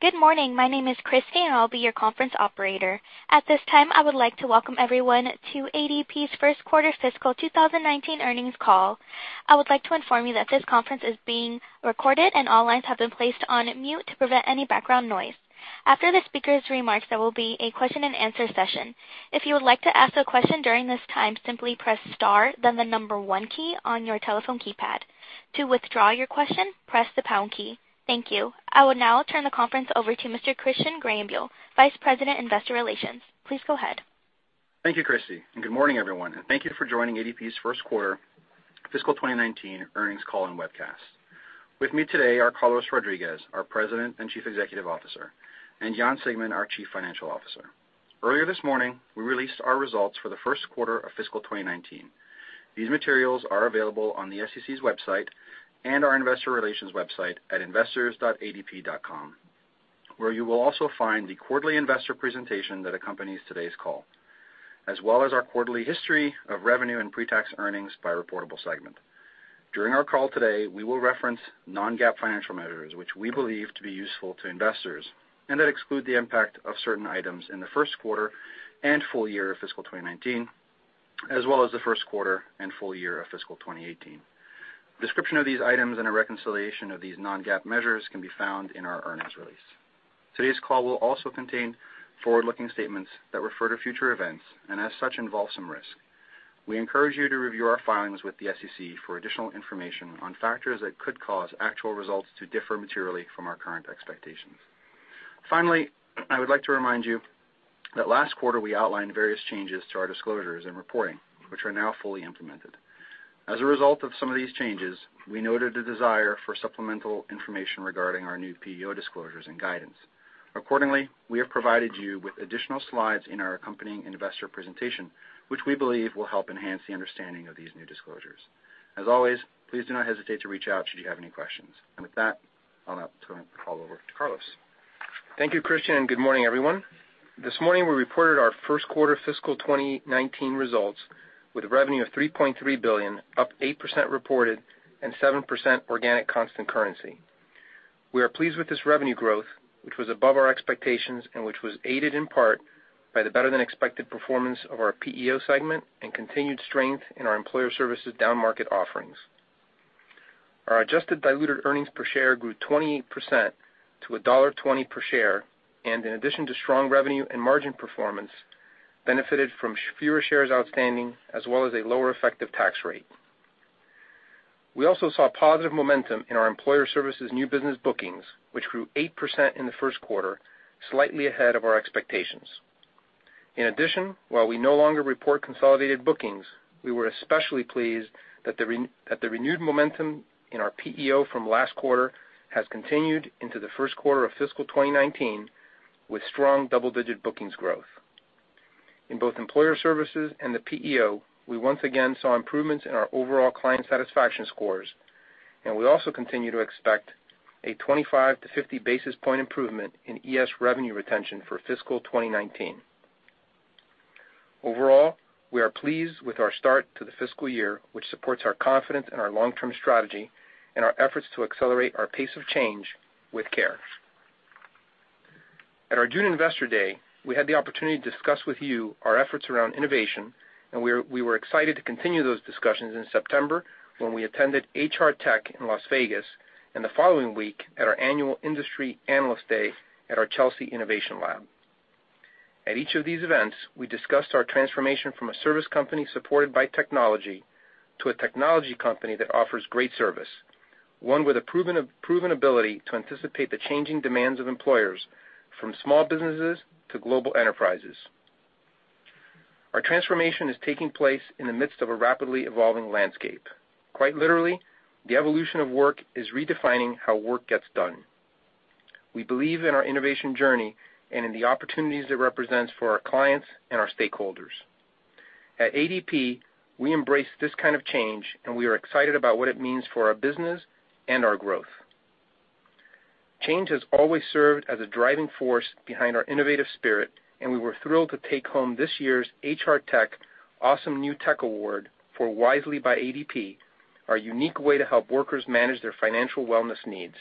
Good morning. My name is Christy, and I'll be your conference operator. At this time, I would like to welcome everyone to ADP's first quarter fiscal 2019 earnings call. I would like to inform you that this conference is being recorded, and all lines have been placed on mute to prevent any background noise. After the speaker's remarks, there will be a question and answer session. If you would like to ask a question during this time, simply press star, then the number 1 key on your telephone keypad. To withdraw your question, press the pound key. Thank you. I would now turn the conference over to Mr. Christian Greyenbuhl, Vice President, Investor Relations. Please go ahead. Thank you, Christy. Good morning, everyone. Thank you for joining ADP's first quarter fiscal 2019 earnings call and webcast. With me today are Carlos Rodriguez, our President and Chief Executive Officer, and Jan Siegmund, our Chief Financial Officer. Earlier this morning, we released our results for the first quarter of fiscal 2019. These materials are available on the SEC's website and our investor relations website at investors.adp.com, where you will also find the quarterly investor presentation that accompanies today's call, as well as our quarterly history of revenue and pre-tax earnings by reportable segment. During our call today, we will reference non-GAAP financial measures, which we believe to be useful to investors and that exclude the impact of certain items in the first quarter and full year of fiscal 2019, as well as the first quarter and full year of fiscal 2018. Description of these items and a reconciliation of these non-GAAP measures can be found in our earnings release. Today's call will also contain forward-looking statements that refer to future events and as such involve some risk. We encourage you to review our filings with the SEC for additional information on factors that could cause actual results to differ materially from our current expectations. Finally, I would like to remind you that last quarter we outlined various changes to our disclosures and reporting, which are now fully implemented. As a result of some of these changes, we noted a desire for supplemental information regarding our new PEO disclosures and guidance. Accordingly, we have provided you with additional slides in our accompanying investor presentation, which we believe will help enhance the understanding of these new disclosures. As always, please do not hesitate to reach out should you have any questions. With that, I'll now turn the call over to Carlos. Thank you, Christian. Good morning, everyone. This morning, we reported our first-quarter fiscal 2019 results with a revenue of $3.3 billion, up 8% reported and 7% organic constant currency. We are pleased with this revenue growth, which was above our expectations and which was aided in part by the better-than-expected performance of our PEO segment and continued strength in our Employer Services down-market offerings. Our adjusted diluted earnings per share grew 28% to $1.20 per share. In addition to strong revenue and margin performance, benefited from fewer shares outstanding as well as a lower effective tax rate. We also saw positive momentum in our Employer Services new business bookings, which grew 8% in the first quarter, slightly ahead of our expectations. While we no longer report consolidated bookings, we were especially pleased that the renewed momentum in our PEO from last quarter has continued into the first quarter of fiscal 2019 with strong double-digit bookings growth. In both Employer Services and the PEO, we once again saw improvements in our overall client satisfaction scores. We also continue to expect a 25 basis points-50 basis points improvement in ES revenue retention for fiscal 2019. We are pleased with our start to the fiscal year, which supports our confidence in our long-term strategy and our efforts to accelerate our pace of change with care. At our June Investor Day, we had the opportunity to discuss with you our efforts around innovation. We were excited to continue those discussions in September when we attended HR Tech in Las Vegas and the following week at our annual Industry Analyst Day at our Chelsea Innovation Lab. At each of these events, we discussed our transformation from a service company supported by technology to a technology company that offers great service, one with a proven ability to anticipate the changing demands of employers from small businesses to global enterprises. Our transformation is taking place in the midst of a rapidly evolving landscape. Quite literally, the evolution of work is redefining how work gets done. We believe in our innovation journey and in the opportunities it represents for our clients and our stakeholders. At ADP, we embrace this kind of change. We are excited about what it means for our business and our growth. Change has always served as a driving force behind our innovative spirit. We were thrilled to take home this year's HR Tech Awesome New Tech Award for Wisely by ADP, our unique way to help workers manage their financial wellness needs.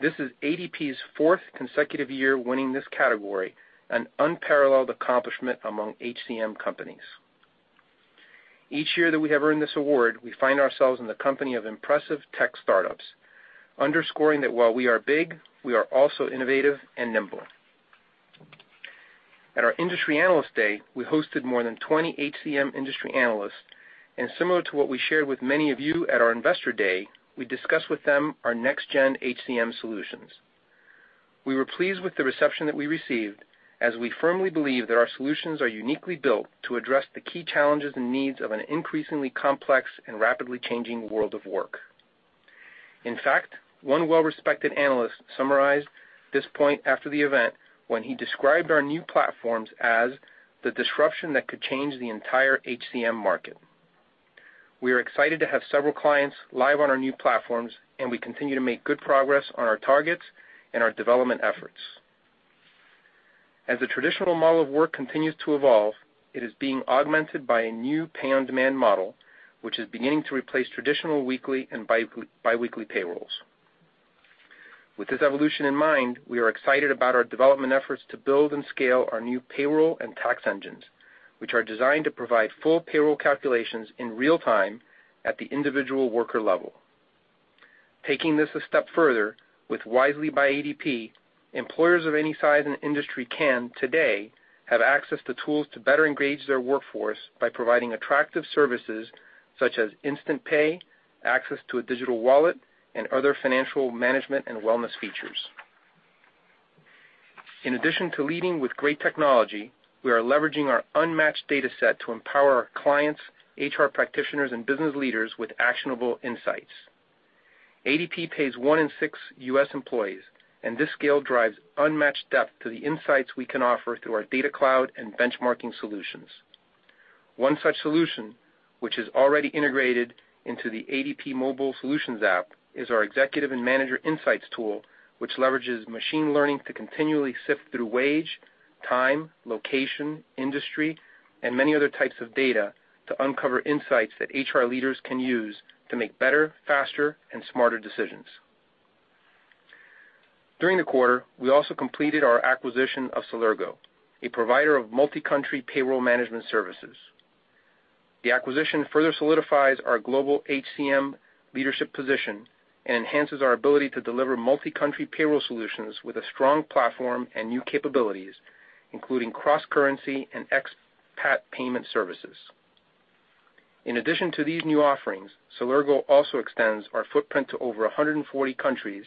This is ADP's fourth consecutive year winning this category, an unparalleled accomplishment among HCM companies. Each year that we have earned this award, we find ourselves in the company of impressive tech startups, underscoring that while we are big, we are also innovative and nimble. At our Industry Analyst Day, we hosted more than 20 HCM industry analysts. Similar to what we shared with many of you at our Investor Day, we discussed with them our next-gen HCM solutions. We were pleased with the reception that we received, as we firmly believe that our solutions are uniquely built to address the key challenges and needs of an increasingly complex and rapidly changing world of work. In fact, one well-respected analyst summarized this point after the event when he described our new platforms as the disruption that could change the entire HCM market. We are excited to have several clients live on our new platforms, and we continue to make good progress on our targets and our development efforts. As the traditional model of work continues to evolve, it is being augmented by a new pay-on-demand model, which is beginning to replace traditional weekly and biweekly payrolls. With this evolution in mind, we are excited about our development efforts to build and scale our new payroll and tax engines, which are designed to provide full payroll calculations in real time at the individual worker level. Taking this a step further, with Wisely by ADP, employers of any size and industry can today have access to tools to better engage their workforce by providing attractive services such as instant pay, access to a digital wallet, and other financial management and wellness features. In addition to leading with great technology, we are leveraging our unmatched data set to empower our clients, HR practitioners, and business leaders with actionable insights. ADP pays one in six U.S. employees, and this scale drives unmatched depth to the insights we can offer through our ADP DataCloud and benchmarking solutions. One such solution, which is already integrated into the ADP Mobile Solutions app, is our executive and manager insights tool, which leverages machine learning to continually sift through wage, time, location, industry, and many other types of data to uncover insights that HR leaders can use to make better, faster, and smarter decisions. During the quarter, we also completed our acquisition of Celergo, a provider of multi-country payroll management services. The acquisition further solidifies our global HCM leadership position and enhances our ability to deliver multi-country payroll solutions with a strong platform and new capabilities, including cross-currency and expat payment services. In addition to these new offerings, Celergo also extends our footprint to over 140 countries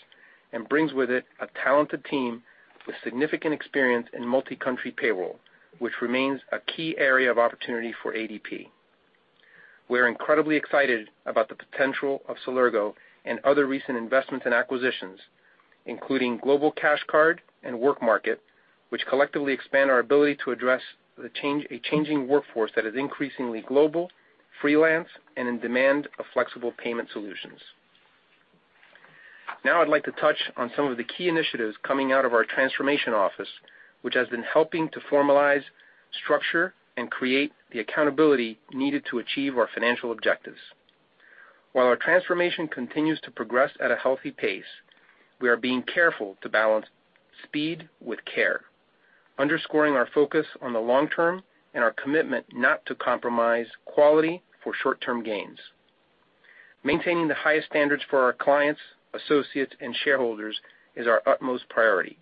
and brings with it a talented team with significant experience in multi-country payroll, which remains a key area of opportunity for ADP. We're incredibly excited about the potential of Celergo and other recent investments and acquisitions, including Global Cash Card and WorkMarket, which collectively expand our ability to address a changing workforce that is increasingly global, freelance, and in demand of flexible payment solutions. I'd like to touch on some of the key initiatives coming out of our transformation office, which has been helping to formalize, structure, and create the accountability needed to achieve our financial objectives. While our transformation continues to progress at a healthy pace, we are being careful to balance speed with care, underscoring our focus on the long term and our commitment not to compromise quality for short-term gains. Maintaining the highest standards for our clients, associates, and shareholders is our utmost priority,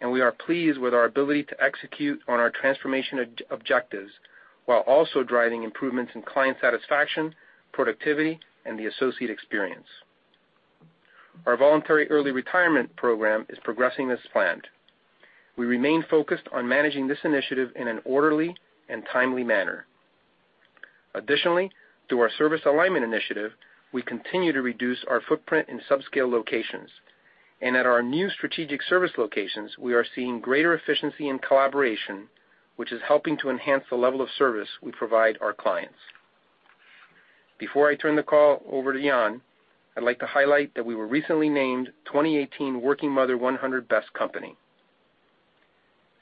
and we are pleased with our ability to execute on our transformation objectives while also driving improvements in client satisfaction, productivity, and the associate experience. Our Voluntary Early Retirement Program is progressing as planned. We remain focused on managing this initiative in an orderly and timely manner. Additionally, through our Service Alignment Initiative, we continue to reduce our footprint in subscale locations. At our new strategic service locations, we are seeing greater efficiency and collaboration, which is helping to enhance the level of service we provide our clients. Before I turn the call over to Jan, I'd like to highlight that we were recently named 2018 Working Mother 100 Best Companies.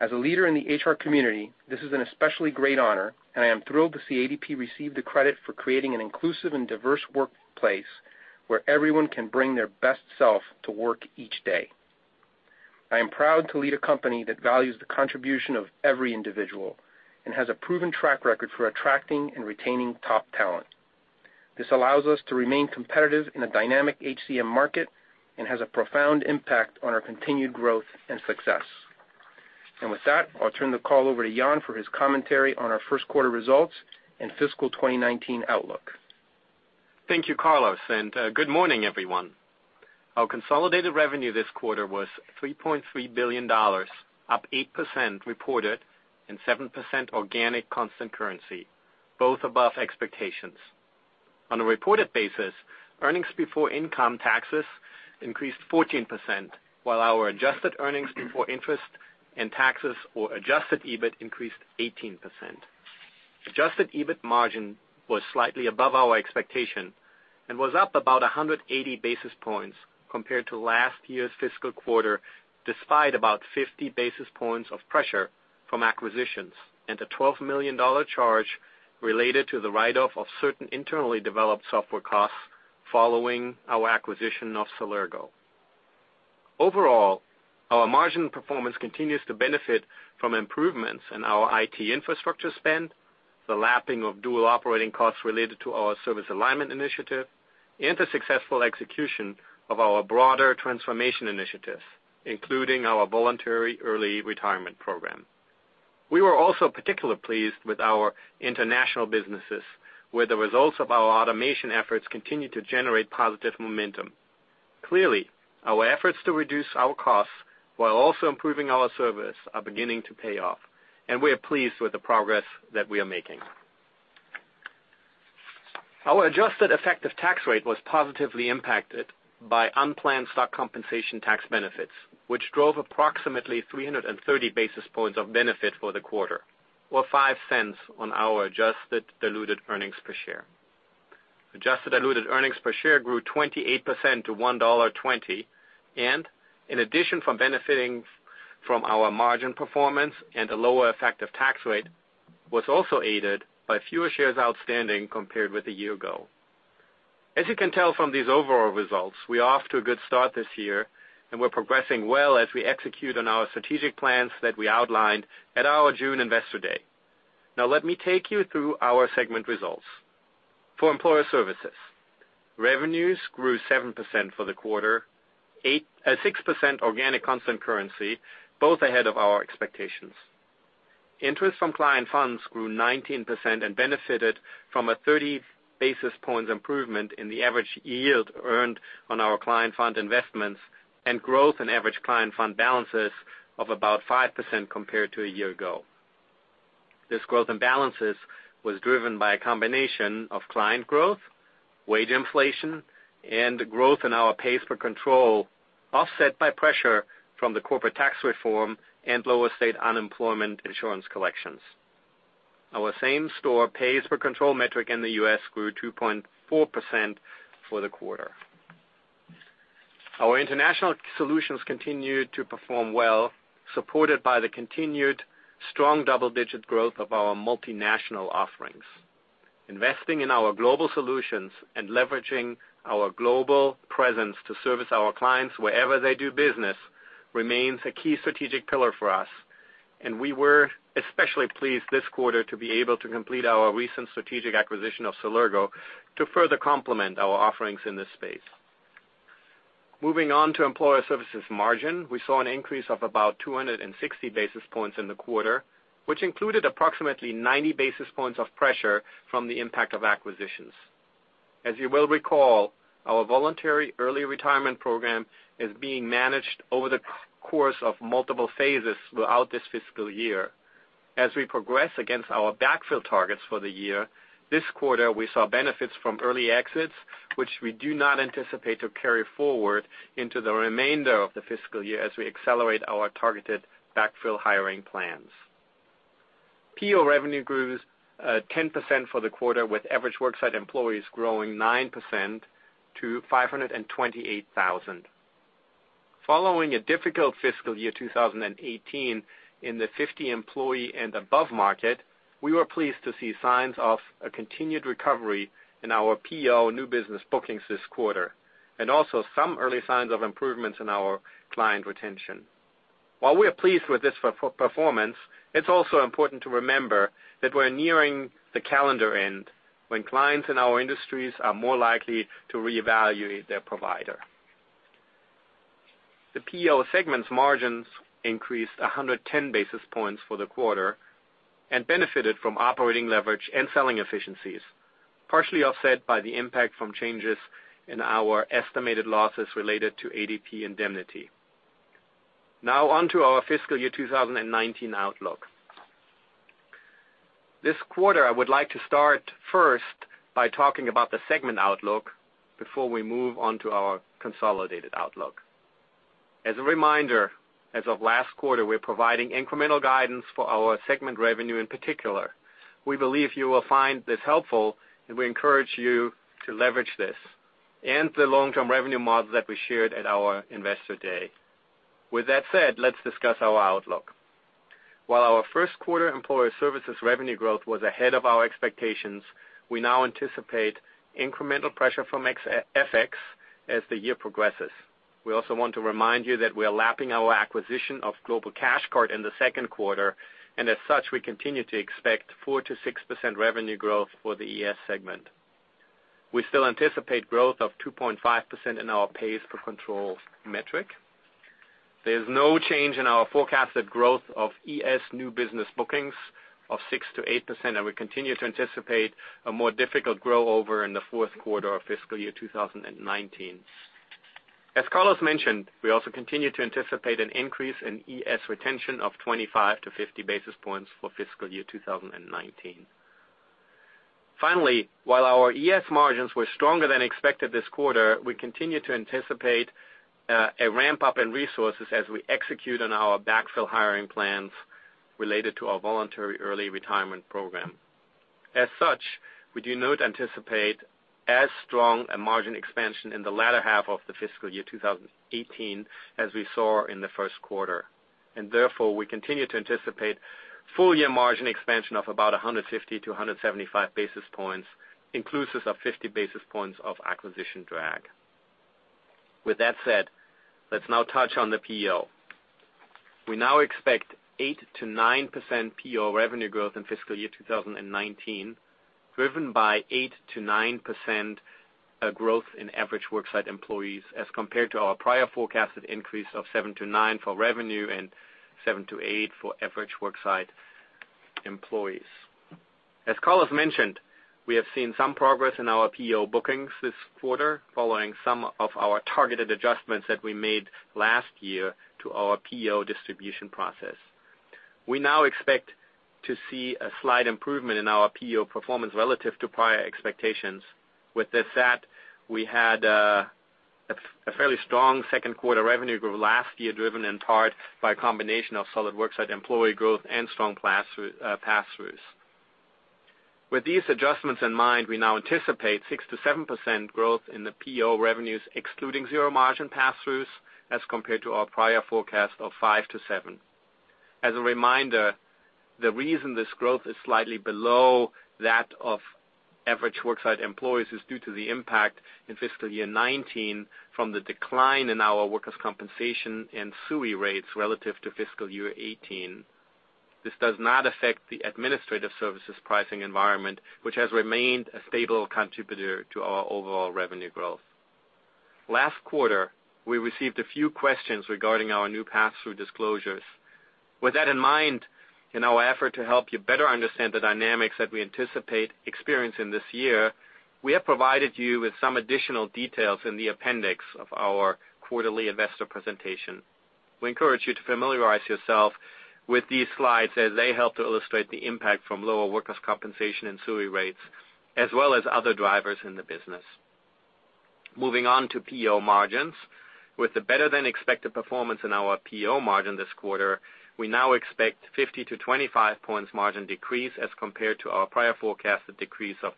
As a leader in the HR community, this is an especially great honor, and I am thrilled to see ADP receive the credit for creating an inclusive and diverse workplace where everyone can bring their best self to work each day. I am proud to lead a company that values the contribution of every individual and has a proven track record for attracting and retaining top talent. This allows us to remain competitive in a dynamic HCM market and has a profound impact on our continued growth and success. With that, I'll turn the call over to Jan for his commentary on our first quarter results and fiscal 2019 outlook. Thank you, Carlos, and good morning, everyone. Our consolidated revenue this quarter was $3.3 billion, up 8% reported and 7% organic constant currency, both above expectations. On a reported basis, earnings before income taxes increased 14%, while our adjusted earnings before interest and taxes, or adjusted EBIT, increased 18%. Adjusted EBIT margin was slightly above our expectation and was up about 180 basis points compared to last year's fiscal quarter, despite about 50 basis points of pressure from acquisitions and a $12 million charge related to the write-off of certain internally developed software costs following our acquisition of Celergo. Overall, our margin performance continues to benefit from improvements in our IT Infrastructure spend, the lapping of dual operating costs related to our Service Alignment Initiative, and the successful execution of our broader transformation initiatives, including our Voluntary Early Retirement Program. We were also particularly pleased with our international businesses, where the results of our automation efforts continue to generate positive momentum. Clearly, our efforts to reduce our costs while also improving our service are beginning to pay off, and we are pleased with the progress that we are making. Our adjusted effective tax rate was positively impacted by unplanned stock compensation tax benefits, which drove approximately 330 basis points of benefit for the quarter, or $0.05 on our adjusted diluted earnings per share. Adjusted diluted earnings per share grew 28% to $1.20, and in addition from benefiting from our margin performance and a lower effective tax rate, was also aided by fewer shares outstanding compared with a year ago. As you can tell from these overall results, we're off to a good start this year, and we're progressing well as we execute on our strategic plans that we outlined at our June Investor Day. Now let me take you through our segment results. For Employer Services, revenues grew 7% for the quarter, at 6% organic constant currency, both ahead of our expectations. Interest from client funds grew 19% and benefited from a 30 basis points improvement in the average yield earned on our client fund investments and growth in average client fund balances of about 5% compared to a year ago. This growth in balances was driven by a combination of client growth, wage inflation, and growth in our pays per control, offset by pressure from the corporate tax reform and lower state unemployment insurance collections. Our same store pays per control metric in the U.S. grew 2.4% for the quarter. Our international solutions continued to perform well, supported by the continued strong double-digit growth of our multinational offerings. Investing in our global solutions and leveraging our global presence to service our clients wherever they do business remains a key strategic pillar for us, and we were especially pleased this quarter to be able to complete our recent strategic acquisition of Celergo to further complement our offerings in this space. Moving on to Employer Services margin, we saw an increase of about 260 basis points in the quarter, which included approximately 90 basis points of pressure from the impact of acquisitions. As you will recall, our voluntary early retirement program is being managed over the course of multiple phases throughout this fiscal year. As we progress against our backfill targets for the year, this quarter, we saw benefits from early exits, which we do not anticipate to carry forward into the remainder of the fiscal year as we accelerate our targeted backfill hiring plans. PEO revenue grew 10% for the quarter, with average worksite employees growing 9% to 528,000. Following a difficult fiscal year 2018 in the 50-employee and above market, we were pleased to see signs of a continued recovery in our PEO new business bookings this quarter, and also some early signs of improvements in our client retention. While we are pleased with this performance, it's also important to remember that we're nearing the calendar end when clients in our industries are more likely to reevaluate their provider. The PEO segment's margins increased 110 basis points for the quarter and benefited from operating leverage and selling efficiencies, partially offset by the impact from changes in our estimated losses related to ADP Indemnity. Now on to our fiscal year 2019 outlook. This quarter, I would like to start first by talking about the segment outlook before we move on to our consolidated outlook. As a reminder, as of last quarter, we're providing incremental guidance for our segment revenue in particular. We believe you will find this helpful, and we encourage you to leverage this and the long-term revenue model that we shared at our Investor Day. With that said, let's discuss our outlook. While our first quarter Employer Services revenue growth was ahead of our expectations, we now anticipate incremental pressure from FX as the year progresses. We also want to remind you that we are lapping our acquisition of Global Cash Card in the second quarter. As such, we continue to expect 4%-6% revenue growth for the ES segment. We still anticipate growth of 2.5% in our pays per control metric. There is no change in our forecasted growth of ES new business bookings of 6%-8%, and we continue to anticipate a more difficult grow over in the fourth quarter of fiscal year 2019. As Carlos mentioned, we also continue to anticipate an increase in ES retention of 25 basis points-50 basis points for fiscal year 2019. Finally, while our ES margins were stronger than expected this quarter, we continue to anticipate a ramp-up in resources as we execute on our backfill hiring plans related to our voluntary early retirement program. As such, we do not anticipate as strong a margin expansion in the latter half of fiscal year 2018 as we saw in the first quarter. Therefore, we continue to anticipate full year margin expansion of about 150 to 175 basis points, inclusive of 50 basis points of acquisition drag. With that said, let's now touch on the PEO. We now expect 8%-9% PEO revenue growth in fiscal year 2019, driven by 8%-9% growth in average work site employees as compared to our prior forecasted increase of 7%-9% for revenue and 7%-8% for average work site employees. As Carlos mentioned, we have seen some progress in our PEO bookings this quarter following some of our targeted adjustments that we made last year to our PEO distribution process. We now expect to see a slight improvement in our PEO performance relative to prior expectations. With this said, we had a fairly strong second quarter revenue growth last year, driven in part by a combination of solid worksite employee growth and strong pass-throughs. With these adjustments in mind, we now anticipate 6%-7% growth in PEO revenues, excluding zero margin pass-throughs, as compared to our prior forecast of 5%-7%. As a reminder, the reason this growth is slightly below that of average worksite employees is due to the impact in fiscal year 2019 from the decline in our workers' compensation and UI rates relative to fiscal year 2018. This does not affect the administrative services pricing environment, which has remained a stable contributor to our overall revenue growth. Last quarter, we received a few questions regarding our new pass-through disclosures. With that in mind, in our effort to help you better understand the dynamics that we anticipate experiencing this year, we have provided you with some additional details in the appendix of our quarterly investor presentation. We encourage you to familiarize yourself with these slides, as they help to illustrate the impact from lower workers' compensation and UI rates, as well as other drivers in the business. Moving on to PEO margins. With the better-than-expected performance in our PEO margin this quarter, we now expect 50 basis points to 25 basis points margin decrease as compared to our prior forecasted decrease of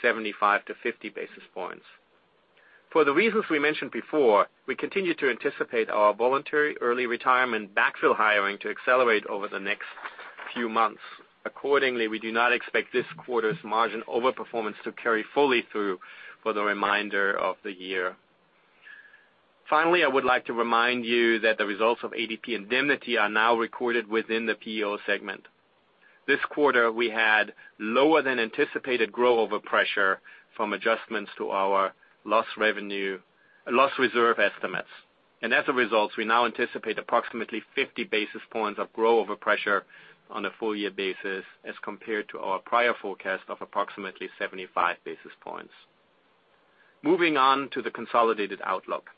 75 to 50 basis points. For the reasons we mentioned before, we continue to anticipate our voluntary early retirement backfill hiring to accelerate over the next few months. Accordingly, we do not expect this quarter's margin over-performance to carry fully through for the remainder of the year. Finally, I would like to remind you that the results of ADP Indemnity are now recorded within the PEO segment. As a result, we now anticipate approximately 50 basis points of grow-over pressure on a full-year basis as compared to our prior forecast of approximately 75 basis points. Moving on to the consolidated outlook.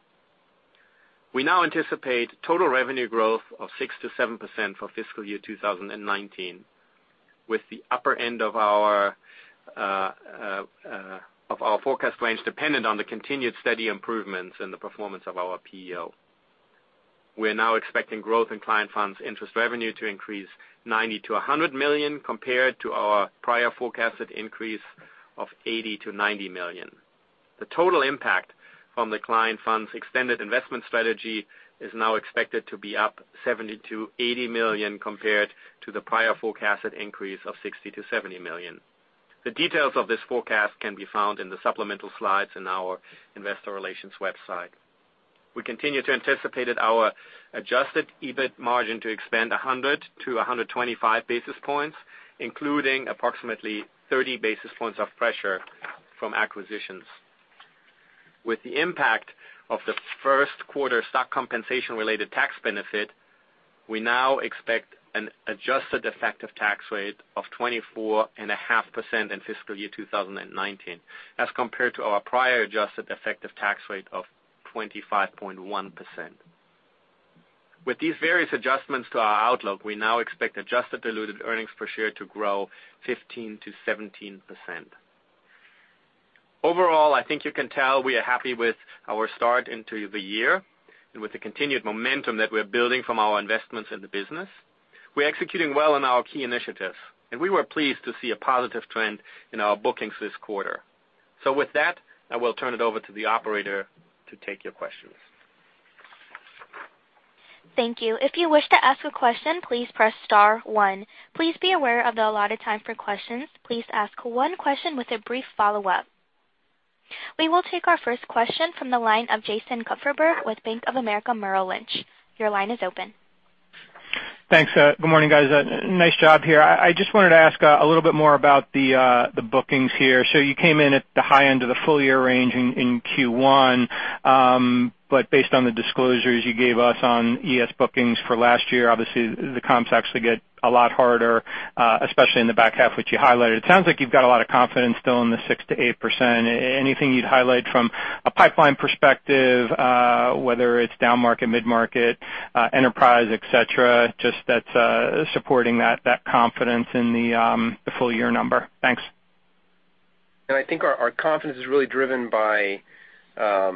We now anticipate total revenue growth of 6%-7% for fiscal year 2019, with the upper end of our forecast range dependent on the continued steady improvements in the performance of our PEO. We are now expecting growth in client funds interest revenue to increase $90 million-$100 million, compared to our prior forecasted increase of $80 million-$90 million. The total impact from the client funds extended investment strategy is now expected to be up $70 million-$80 million, compared to the prior forecasted increase of $60 million-$70 million. The details of this forecast can be found in the supplemental slides in our investor relations website. We continue to anticipate our adjusted EBIT margin to expand 100 basis points-125 basis points, including approximately 30 basis points of pressure from acquisitions. With the impact of the first quarter stock compensation-related tax benefit, we now expect an adjusted effective tax rate of 24.5% in fiscal year 2019, as compared to our prior adjusted effective tax rate of 25.1%. With these various adjustments to our outlook, we now expect adjusted diluted earnings per share to grow 15%-17%. Overall, I think you can tell we are happy with our start into the year and with the continued momentum that we're building from our investments in the business. We're executing well on our key initiatives, and we were pleased to see a positive trend in our bookings this quarter. With that, I will turn it over to the operator to take your questions. Thank you. If you wish to ask a question, please press star one. Please be aware of the allotted time for questions. Please ask one question with a brief follow-up. We will take our first question from the line of Jason Kupferberg with Bank of America Merrill Lynch. Your line is open. Thanks. Good morning, guys. Nice job here. I just wanted to ask a little bit more about the bookings here. You came in at the high end of the full-year range in Q1. Based on the disclosures you gave us on ES bookings for last year, obviously, the comps actually get a lot harder, especially in the back half, which you highlighted. It sounds like you've got a lot of confidence still in the 6%-8%. Anything you'd highlight from a pipeline perspective, whether it's downmarket, mid-market, enterprise, et cetera, just that's supporting that confidence in the full-year number? Thanks. I think our confidence is really driven by our,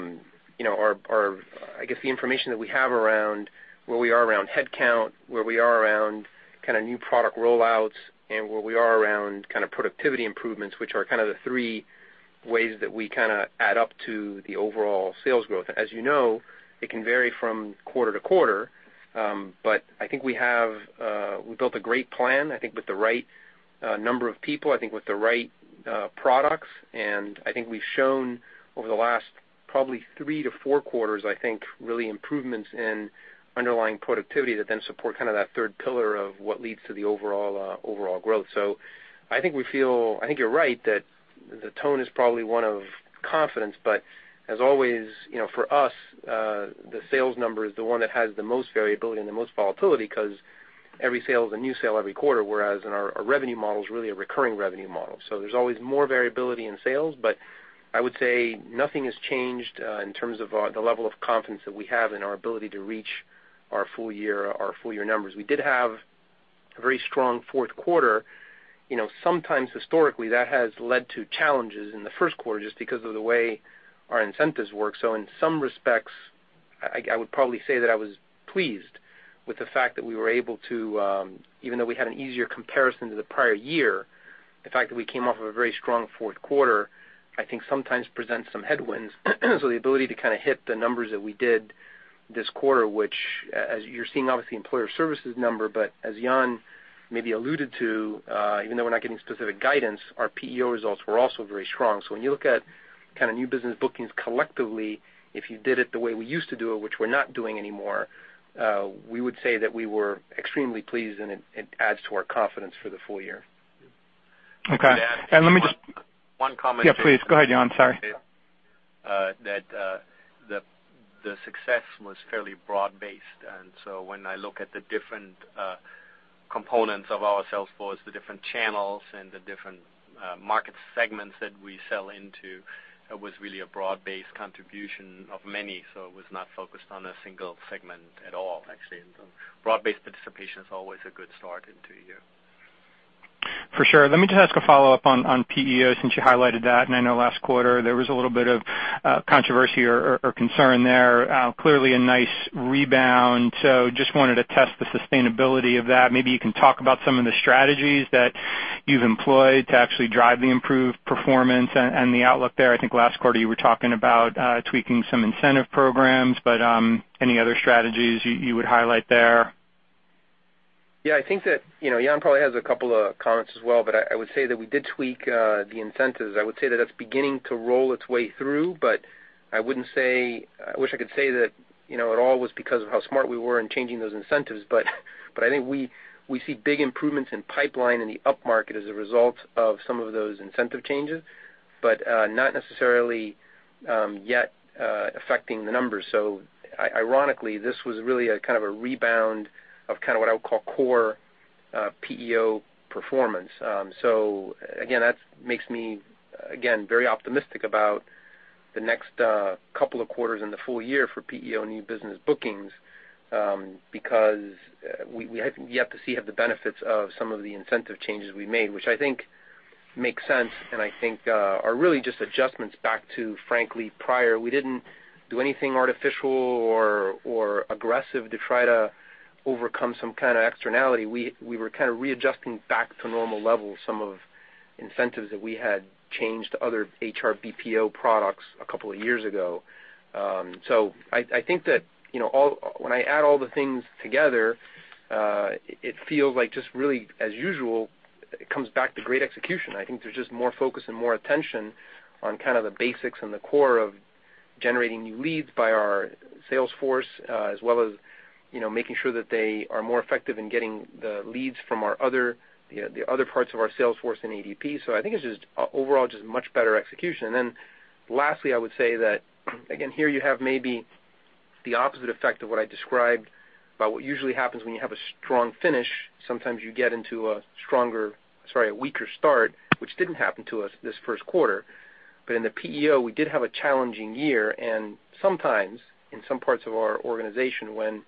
I guess, the information that we have around where we are around headcount, where we are around new product rollouts, and where we are around productivity improvements, which are the three ways that we add up to the overall sales growth. As you know, it can vary from quarter to quarter. I think we built a great plan, I think, with the right number of people, I think with the right products. I think we've shown over the last probably three to four quarters, I think, really improvements in underlying productivity that then support that third pillar of what leads to the overall growth. I think you're right, that the tone is probably one of confidence. As always, for us, the sales number is the one that has the most variability and the most volatility because every sale is a new sale every quarter, whereas our revenue model is really a recurring revenue model. There's always more variability in sales. I would say nothing has changed in terms of the level of confidence that we have in our ability to reach our full-year numbers. We did have A very strong fourth quarter. Sometimes historically that has led to challenges in the first quarter just because of the way our incentives work. In some respects, I would probably say that I was pleased with the fact that we were able to, even though we had an easier comparison to the prior year, the fact that we came off of a very strong fourth quarter, I think sometimes presents some headwinds. The ability to hit the numbers that we did this quarter, which as you're seeing obviously Employer Services number, but as Jan maybe alluded to, even though we're not giving specific guidance, our PEO results were also very strong. When you look at new business bookings collectively, if you did it the way we used to do it, which we're not doing anymore, we would say that we were extremely pleased, and it adds to our confidence for the full year. Okay. One comment. Yeah, please go ahead, Jan. Sorry. That the success was fairly broad-based. When I look at the different components of our sales force, the different channels and the different market segments that we sell into, it was really a broad-based contribution of many. It was not focused on a single segment at all, actually. Broad-based participation is always a good start into a year. For sure. Let me just ask a follow-up on PEO, since you highlighted that, and I know last quarter there was a little bit of controversy or concern there, clearly a nice rebound. Just wanted to test the sustainability of that. Maybe you can talk about some of the strategies that you've employed to actually drive the improved performance and the outlook there. I think last quarter you were talking about tweaking some incentive programs, but any other strategies you would highlight there? Yeah, I think that Jan probably has a couple of comments as well, but I would say that we did tweak the incentives. I would say that that's beginning to roll its way through, but I wish I could say that it all was because of how smart we were in changing those incentives, but I think we see big improvements in pipeline in the upmarket as a result of some of those incentive changes, but not necessarily yet affecting the numbers. Ironically, this was really a rebound of what I would call core PEO performance. Again, that makes me, again, very optimistic about the next couple of quarters in the full year for PEO new business bookings, because we have yet to see the benefits of some of the incentive changes we made, which I think makes sense and I think are really just adjustments back to, frankly, prior. We didn't do anything artificial or aggressive to try to overcome some kind of externality. We were readjusting back to normal levels, some of incentives that we had changed to other HR BPO products a couple of years ago. I think that when I add all the things together, it feels like just really as usual, it comes back to great execution. I think there's just more focus and more attention on the basics and the core of generating new leads by our sales force, as well as making sure that they are more effective in getting the leads from the other parts of our sales force in ADP. I think it's just overall just much better execution. Lastly, I would say that, again, here you have maybe the opposite effect of what I described about what usually happens when you have a strong finish. Sometimes you get into a weaker start, which didn't happen to us this first quarter. In the PEO, we did have a challenging year, and sometimes in some parts of our organization, when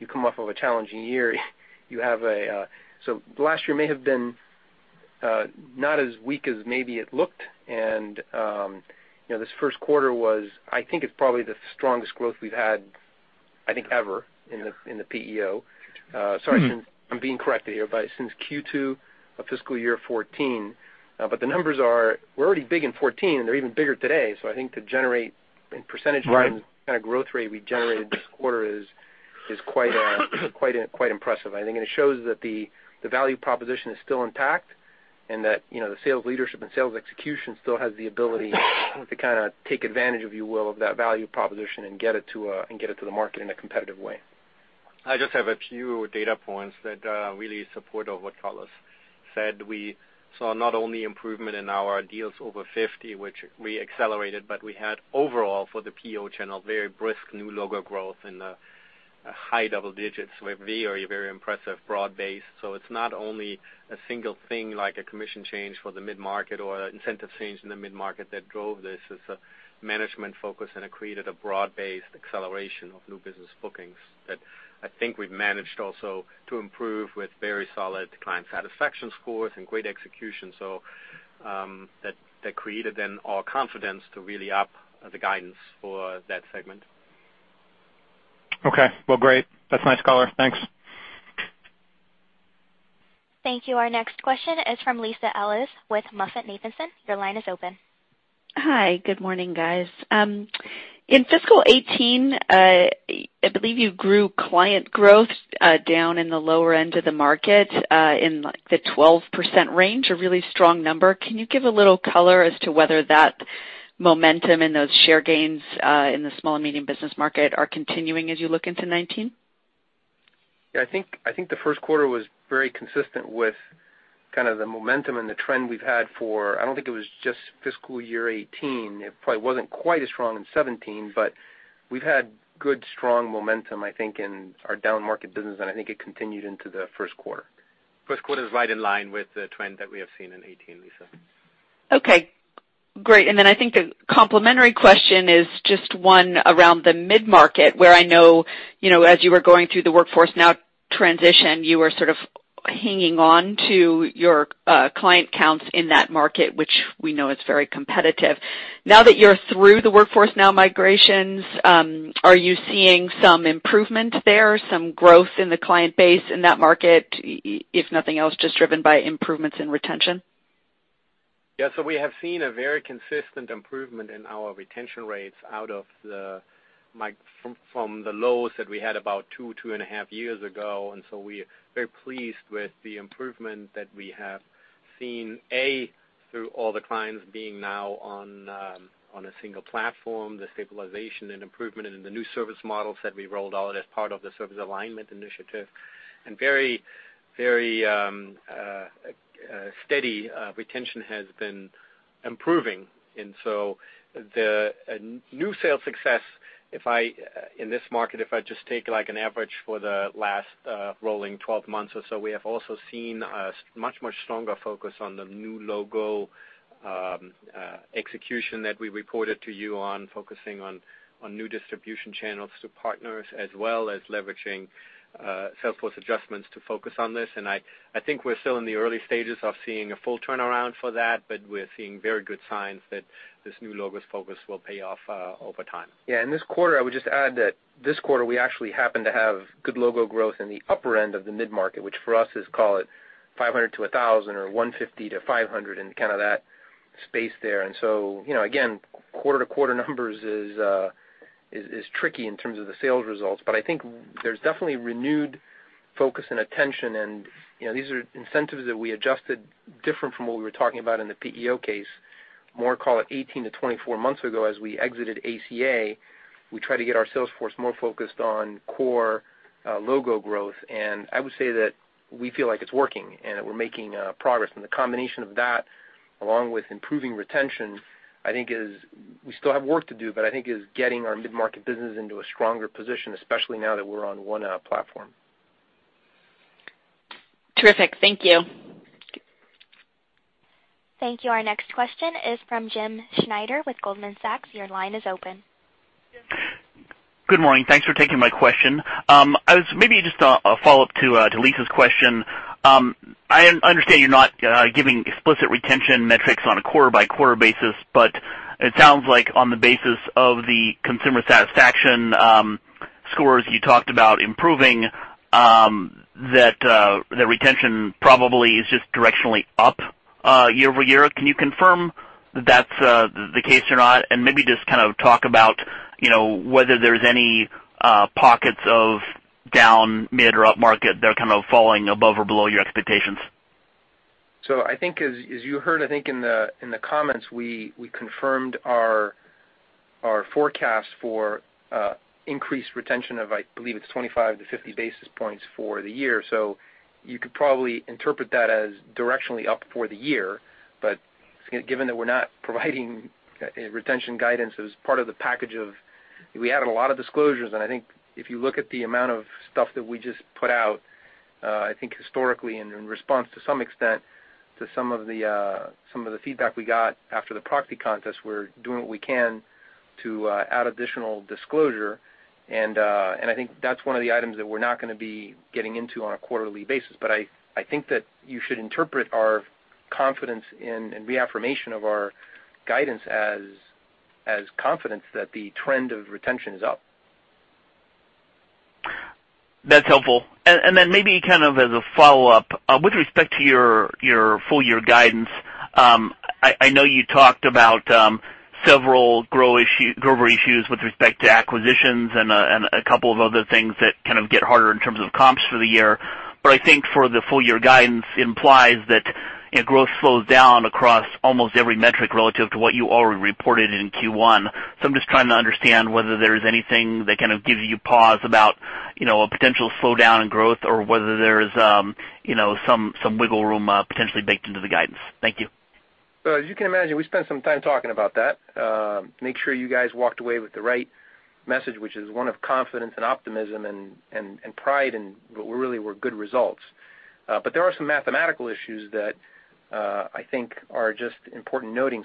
you come off of a challenging year. Last year may have been, not as weak as maybe it looked, and this first quarter was, I think it's probably the strongest growth we've had, I think, ever in the PEO. Sorry, I'm being corrected here, since Q2 of fiscal year 2014. The numbers are, we're already big in 2014, and they're even bigger today. I think to generate in percentage points. Right That kind of growth rate we generated this quarter is quite impressive, I think. It shows that the value proposition is still intact and that the sales leadership and sales execution still has the ability to take advantage, if you will, of that value proposition and get it to the market in a competitive way. I just have a few data points that really support what Carlos said. We saw not only improvement in our deals over 50, which we accelerated, but we had overall for the PEO channel, very brisk new logo growth in the high double digits with a very impressive broad base. It's not only a single thing like a commission change for the mid-market or incentive change in the mid-market that drove this. It's a management focus, and it created a broad-based acceleration of new business bookings that I think we've managed also to improve with very solid client satisfaction scores and great execution. That created then our confidence to really up the guidance for that segment. Okay. Well, great. That's nice color. Thanks. Thank you. Our next question is from Lisa Ellis with MoffettNathanson. Your line is open. Hi. Good morning, guys. In fiscal 2018, I believe you grew client growth down in the lower end of the market, in the 12% range, a really strong number. Can you give a little color as to whether that momentum and those share gains, in the small and medium business market are continuing as you look into 2019? Yeah, I think the first quarter was very consistent with the momentum and the trend we've had for I don't think it was just fiscal year 2018. It probably wasn't quite as strong in 2017, but we've had good, strong momentum, I think, in our downmarket business, and I think it continued into the first quarter. First quarter is right in line with the trend that we have seen in 2018, Lisa. Okay. Great. I think a complementary question is just one around the mid-market, where I know, as you were going through the ADP Workforce Now transition, you were sort of hanging on to your client counts in that market, which we know is very competitive. Now that you're through the ADP Workforce Now migrations, are you seeing some improvement there, some growth in the client base in that market, if nothing else, just driven by improvements in retention? Yeah. We have seen a very consistent improvement in our retention rates from the lows that we had about two and a half years ago. We're very pleased with the improvement that we have seen, A, through all the clients being now on a single platform, the stabilization and improvement in the new service models that we rolled out as part of the service alignment initiative. Very steady retention has been improving. The new sales success in this market, if I just take an average for the last rolling 12 months or so, we have also seen a much stronger focus on the new logo execution that we reported to you on, focusing on new distribution channels to partners, as well as leveraging sales force adjustments to focus on this. I think we're still in the early stages of seeing a full turnaround for that, but we're seeing very good signs that this new logos focus will pay off over time. This quarter, I would just add that this quarter, we actually happen to have good logo growth in the upper end of the mid-market, which for us is, call it, 500 to 1,000 or 150 to 500 in that space there. Again, quarter-to-quarter numbers is tricky in terms of the sales results, but I think there's definitely renewed focus and attention. These are incentives that we adjusted different from what we were talking about in the PEO case, more, call it, 18 to 24 months ago as we exited ACA. We tried to get our sales force more focused on core logo growth, and I would say that we feel like it's working and that we're making progress. The combination of that, along with improving retention, I think is we still have work to do, but I think is getting our mid-market business into a stronger position, especially now that we're on one platform. Terrific. Thank you. Thank you. Our next question is from James Schneider with Goldman Sachs. Your line is open. Good morning. Thanks for taking my question. Maybe just a follow-up to Lisa's question. I understand you're not giving explicit retention metrics on a quarter-by-quarter basis, but it sounds like on the basis of the consumer satisfaction scores you talked about improving, that the retention probably is just directionally up year-over-year. Can you confirm that's the case or not? Maybe just kind of talk about whether there's any pockets of down mid or upmarket that are kind of falling above or below your expectations. I think as you heard, I think in the comments, we confirmed our forecast for increased retention of, I believe, it's 25 basis points to 50 basis points for the year. You could probably interpret that as directionally up for the year. Given that we're not providing retention guidance as part of the package of We added a lot of disclosures, and I think if you look at the amount of stuff that we just put out, I think historically, in response to some extent to some of the feedback we got after the proxy contest, we're doing what we can to add additional disclosure. I think that's one of the items that we're not going to be getting into on a quarterly basis. I think that you should interpret our confidence and reaffirmation of our guidance as confidence that the trend of retention is up. That's helpful. Then maybe kind of as a follow-up, with respect to your full year guidance, I know you talked about several growth issues with respect to acquisitions and a couple of other things that kind of get harder in terms of comps for the year. I think for the full year, guidance implies that growth slows down across almost every metric relative to what you already reported in Q1. I'm just trying to understand whether there is anything that kind of gives you pause about a potential slowdown in growth or whether there is some wiggle room potentially baked into the guidance. Thank you. As you can imagine, we spent some time talking about that, make sure you guys walked away with the right message, which is one of confidence and optimism and pride in what really were good results. But there are some mathematical issues that I think are just important noting.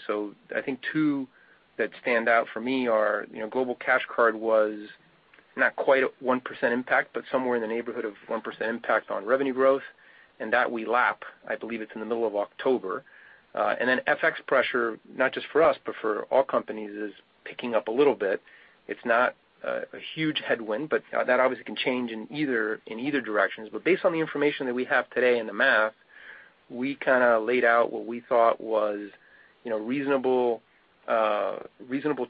I think two that stand out for me are Global Cash Card was not quite a 1% impact, but somewhere in the neighborhood of 1% impact on revenue growth. That we lap, I believe it's in the middle of October. Then FX pressure, not just for us, but for all companies, is picking up a little bit. It's not a huge headwind, but that obviously can change in either direction. Based on the information that we have today and the math, we kind of laid out what we thought was reasonable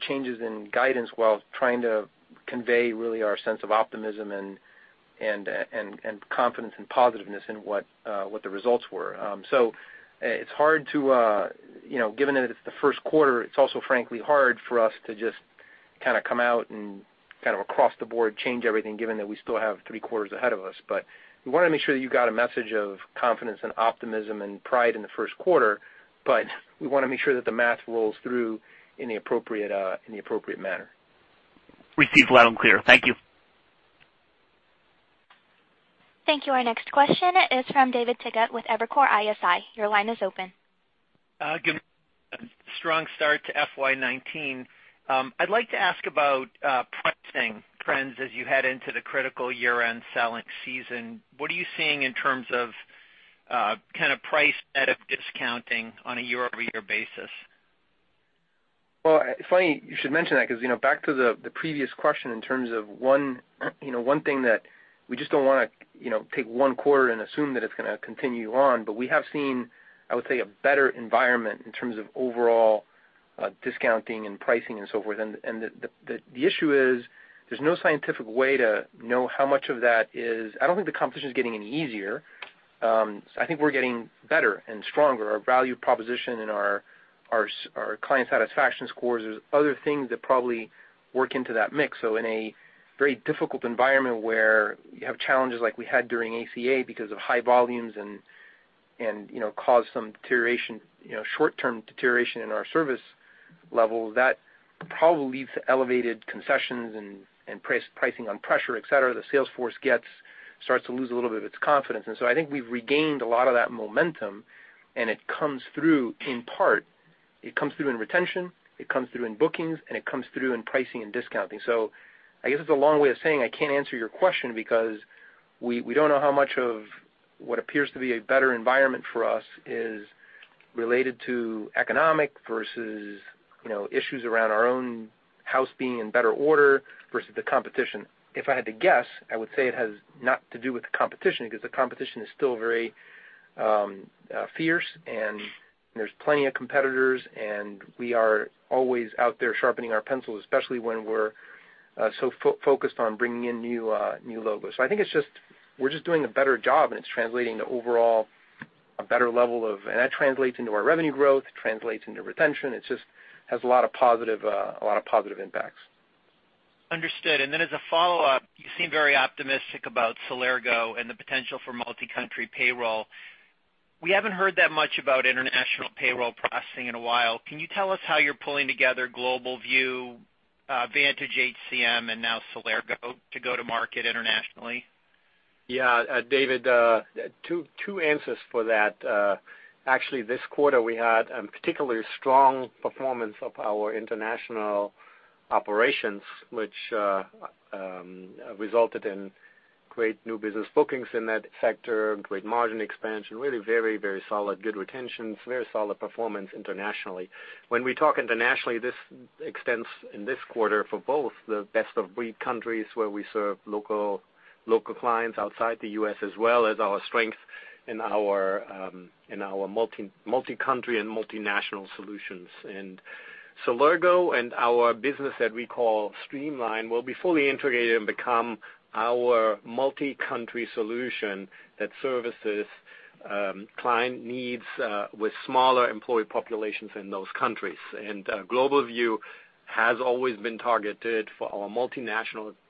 changes in guidance while trying to convey really our sense of optimism and confidence and positiveness in what the results were. Given that it's the first quarter, it's also frankly hard for us to just kind of come out and kind of across the board change everything, given that we still have three quarters ahead of us. We want to make sure that you got a message of confidence and optimism and pride in the first quarter, but we want to make sure that the math rolls through in the appropriate manner. Received loud and clear. Thank you. Thank you. Our next question is from David Togut with Evercore ISI. Your line is open. Strong start to FY 2019. I'd like to ask about pricing trends as you head into the critical year-end selling season. What are you seeing in terms of price ahead of discounting on a year-over-year basis? Well, it's funny you should mention that because back to the previous question in terms of one thing that we just don't want to take one quarter and assume that it's going to continue on, but we have seen, I would say, a better environment in terms of overall discounting and pricing and so forth. The issue is there's no scientific way to know how much of that is. I don't think the competition is getting any easier. I think we're getting better and stronger. Our value proposition and our client satisfaction scores, there's other things that probably work into that mix. In a very difficult environment where you have challenges like we had during ACA because of high volumes and caused some deterioration, short-term deterioration in our service level, that probably leads to elevated concessions and pricing on pressure, et cetera. The sales force starts to lose a little bit of its confidence. I think we've regained a lot of that momentum, and it comes through in part, it comes through in retention, it comes through in bookings, and it comes through in pricing and discounting. I guess it's a long way of saying I can't answer your question because we don't know how much of what appears to be a better environment for us is related to economic versus issues around our own house being in better order versus the competition. If I had to guess, I would say it has not to do with the competition because the competition is still very fierce and there's plenty of competitors, and we are always out there sharpening our pencils, especially when we're so focused on bringing in new logos. I think we're just doing a better job, and it's translating to overall a better level of. That translates into our revenue growth, translates into retention. It just has a lot of positive impacts. Understood. As a follow-up, you seem very optimistic about Celergo and the potential for multi-country payroll. We haven't heard that much about international payroll processing in a while. Can you tell us how you're pulling together GlobalView, Vantage HCM, and now Celergo to go to market internationally? Yeah, David, two answers for that. Actually, this quarter, we had a particularly strong performance of our international operations, which resulted in great new business bookings in that sector, great margin expansion, really very, very solid, good retentions, very solid performance internationally. When we talk internationally, this extends in this quarter for both the best of breed countries where we serve local clients outside the U.S. as well as our strength in our multi-country and multinational solutions. Celergo and our business that we call ADP Streamline will be fully integrated and become our multi-country solution that services client needs with smaller employee populations in those countries. ADP GlobalView has always been targeted for our multinational clients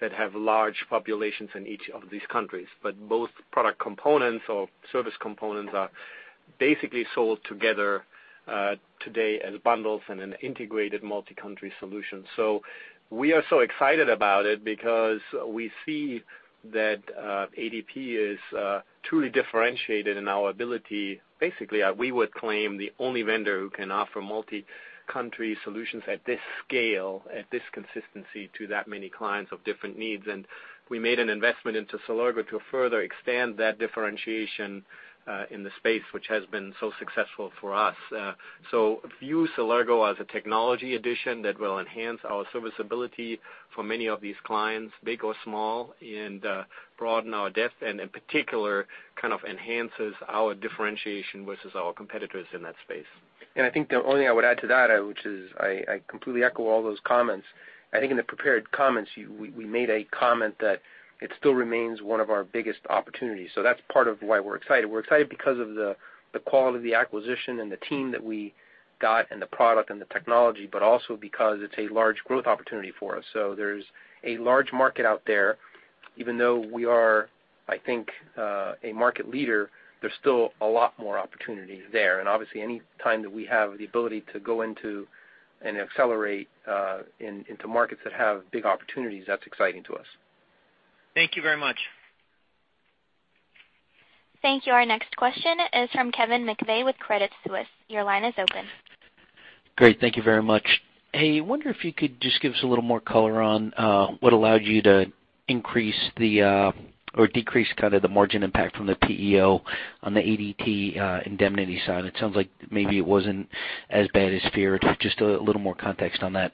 that have large populations in each of these countries. Both product components or service components are basically sold together today as bundles and an integrated multi-country solution. We are so excited about it because we see that ADP is truly differentiated in our ability. Basically, we would claim the only vendor who can offer multi-country solutions at this scale, at this consistency to that many clients of different needs. We made an investment into Celergo to further extend that differentiation in the space, which has been so successful for us. View Celergo as a technology addition that will enhance our serviceability for many of these clients, big or small, and broaden our depth and in particular, enhances our differentiation versus our competitors in that space. I think the only thing I would add to that, which is I completely echo all those comments. I think in the prepared comments, we made a comment that it still remains one of our biggest opportunities. That's part of why we're excited. We're excited because of the quality of the acquisition and the team that we got and the product and the technology, but also because it's a large growth opportunity for us. There's a large market out there. Even though we are, I think, a market leader, there's still a lot more opportunity there. Obviously, any time that we have the ability to go into and accelerate into markets that have big opportunities, that's exciting to us. Thank you very much. Thank you. Our next question is from Kevin McVeigh with Credit Suisse. Your line is open. Great. Thank you very much. Hey, I wonder if you could just give us a little more color on what allowed you to decrease the margin impact from the PEO on the ADP Indemnity side. It sounds like maybe it wasn't as bad as feared. Just a little more context on that.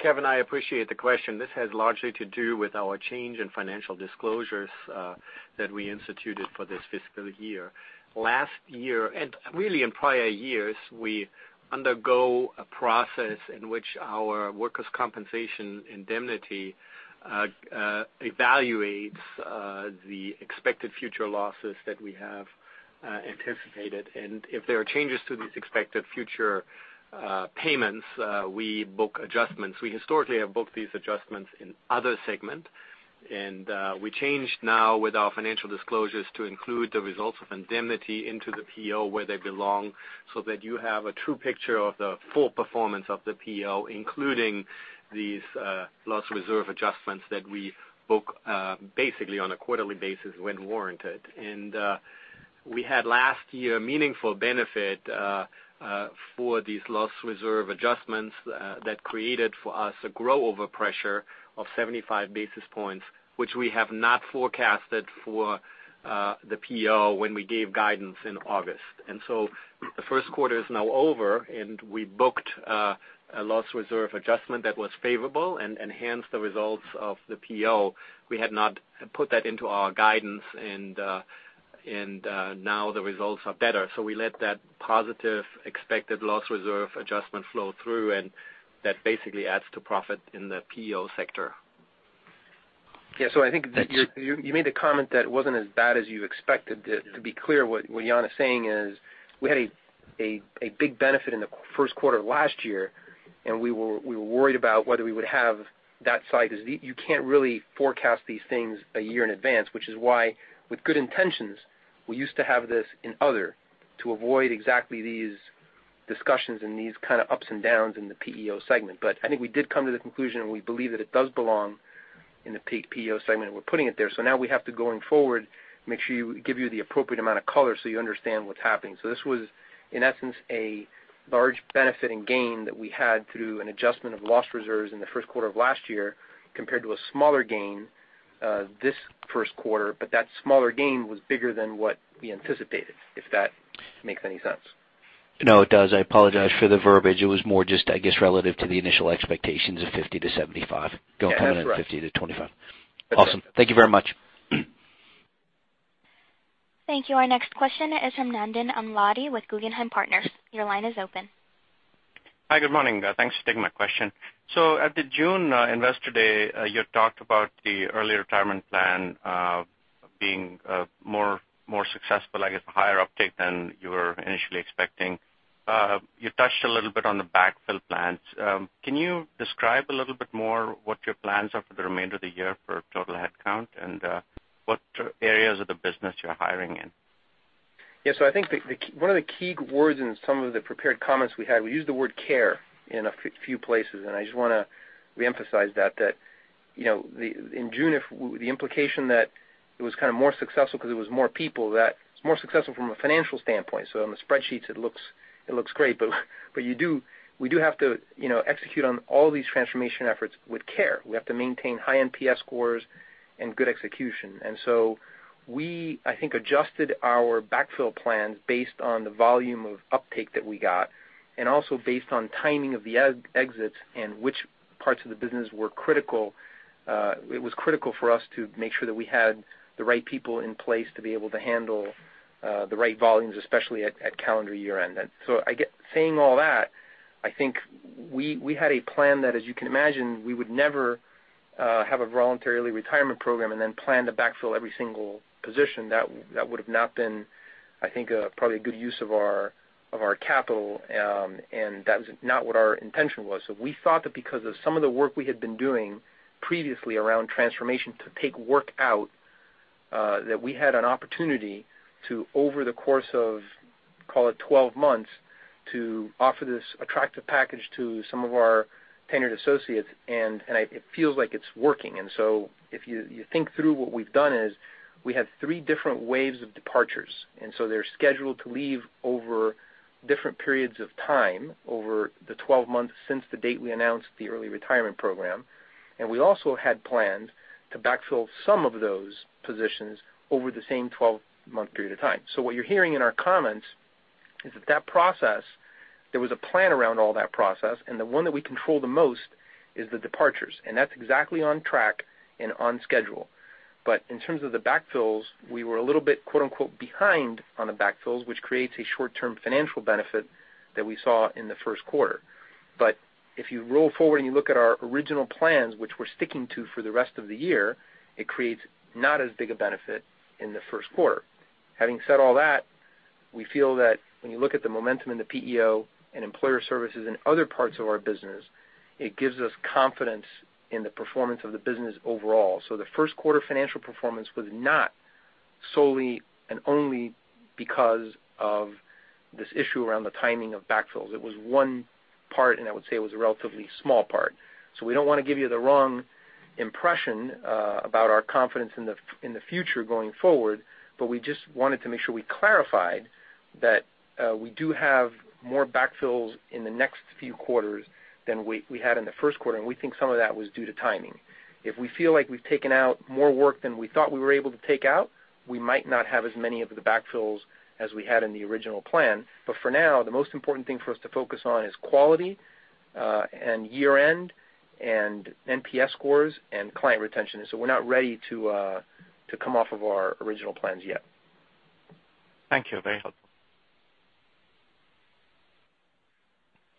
Kevin, I appreciate the question. This has largely to do with our change in financial disclosures that we instituted for this fiscal year. Last year, and really in prior years, we undergo a process in which our workers compensation indemnity evaluates the expected future losses that we have anticipated. If there are changes to these expected future payments, we book adjustments. We historically have booked these adjustments in other segment, we changed now with our financial disclosures to include the results of indemnity into the PEO where they belong so that you have a true picture of the full performance of the PEO, including these loss reserve adjustments that we book basically on a quarterly basis when warranted. We had last year meaningful benefit for these loss reserve adjustments that created for us a grow over pressure of 75 basis points, which we have not forecasted for the PEO when we gave guidance in August. The first quarter is now over, we booked a loss reserve adjustment that was favorable and enhanced the results of the PEO. We had not put that into our guidance, the results are better. We let that positive expected loss reserve adjustment flow through, that basically adds to profit in the PEO sector. Yeah. I think that you made the comment that it wasn't as bad as you expected. To be clear, what Jan Siegmund is saying is we had a big benefit in the first quarter of last year, and we were worried about whether we would have that side, because you can't really forecast these things a year in advance, which is why, with good intentions, we used to have this in other to avoid exactly these discussions and these kind of ups and downs in the PEO Segment. I think we did come to the conclusion, and we believe that it does belong in the PEO Segment, and we're putting it there. Now we have to, going forward, make sure we give you the appropriate amount of color so you understand what's happening. This was, in essence, a large benefit and gain that we had through an adjustment of loss reserves in the first quarter of last year compared to a smaller gain this first quarter. That smaller gain was bigger than what we anticipated, if that makes any sense. No, it does. I apologize for the verbiage. It was more just, I guess, relative to the initial expectations of 50 basis points-75 basis points. Yeah, that's right. going to 50 to 25. That's right. Awesome. Thank you very much. Thank you. Our next question is from Nandan Amladi with Guggenheim Partners. Your line is open. Hi. Good morning. Thanks for taking my question. At the June Investor Day, you talked about the early retirement plan being more successful, I guess a higher uptake than you were initially expecting. You touched a little bit on the backfill plans. Can you describe a little bit more what your plans are for the remainder of the year for total headcount and what areas of the business you're hiring in? I think one of the key words in some of the prepared comments we had, we used the word care in a few places, and I just want to reemphasize that. That in June, the implication that it was kind of more successful because it was more people, that it's more successful from a financial standpoint. On the spreadsheets, it looks great. We do have to execute on all these transformation efforts with care. We have to maintain high NPS scores and good execution. We, I think, adjusted our backfill plans based on the volume of uptake that we got and also based on timing of the exits and which parts of the business were critical. It was critical for us to make sure that we had the right people in place to be able to handle the right volumes, especially at calendar year-end. Saying all that, I think we had a plan that, as you can imagine, we would never have a voluntary early retirement program and then plan to backfill every single position. That would have not been, I think, probably a good use of our capital, and that was not what our intention was. We thought that because of some of the work we had been doing previously around transformation to take work out, that we had an opportunity to, over the course of, call it 12 months, to offer this attractive package to some of our tenured associates. It feels like it's working. If you think through what we've done is we had three different waves of departures, and so they're scheduled to leave over different periods of time over the 12 months since the date we announced the early retirement program. We also had planned to backfill some of those positions over the same 12-month period of time. What you're hearing in our comments is that that process, there was a plan around all that process, and the one that we control the most is the departures, and that's exactly on track and on schedule. In terms of the backfills, we were a little bit, quote-unquote, "behind" on the backfills, which creates a short-term financial benefit that we saw in the first quarter. If you roll forward and you look at our original plans, which we're sticking to for the rest of the year, it creates not as big a benefit in the first quarter. Having said all that, we feel that when you look at the momentum in the PEO and Employer Services and other parts of our business, it gives us confidence in the performance of the business overall. The first quarter financial performance was not solely and only because of this issue around the timing of backfills. It was one part, and I would say it was a relatively small part. We don't want to give you the wrong impression about our confidence in the future going forward, but we just wanted to make sure we clarified that we do have more backfills in the next few quarters than we had in the first quarter, and we think some of that was due to timing. If we feel like we've taken out more work than we thought we were able to take out, we might not have as many of the backfills as we had in the original plan. For now, the most important thing for us to focus on is quality and year-end and NPS scores and client retention. We're not ready to come off of our original plans yet. Thank you. Very helpful.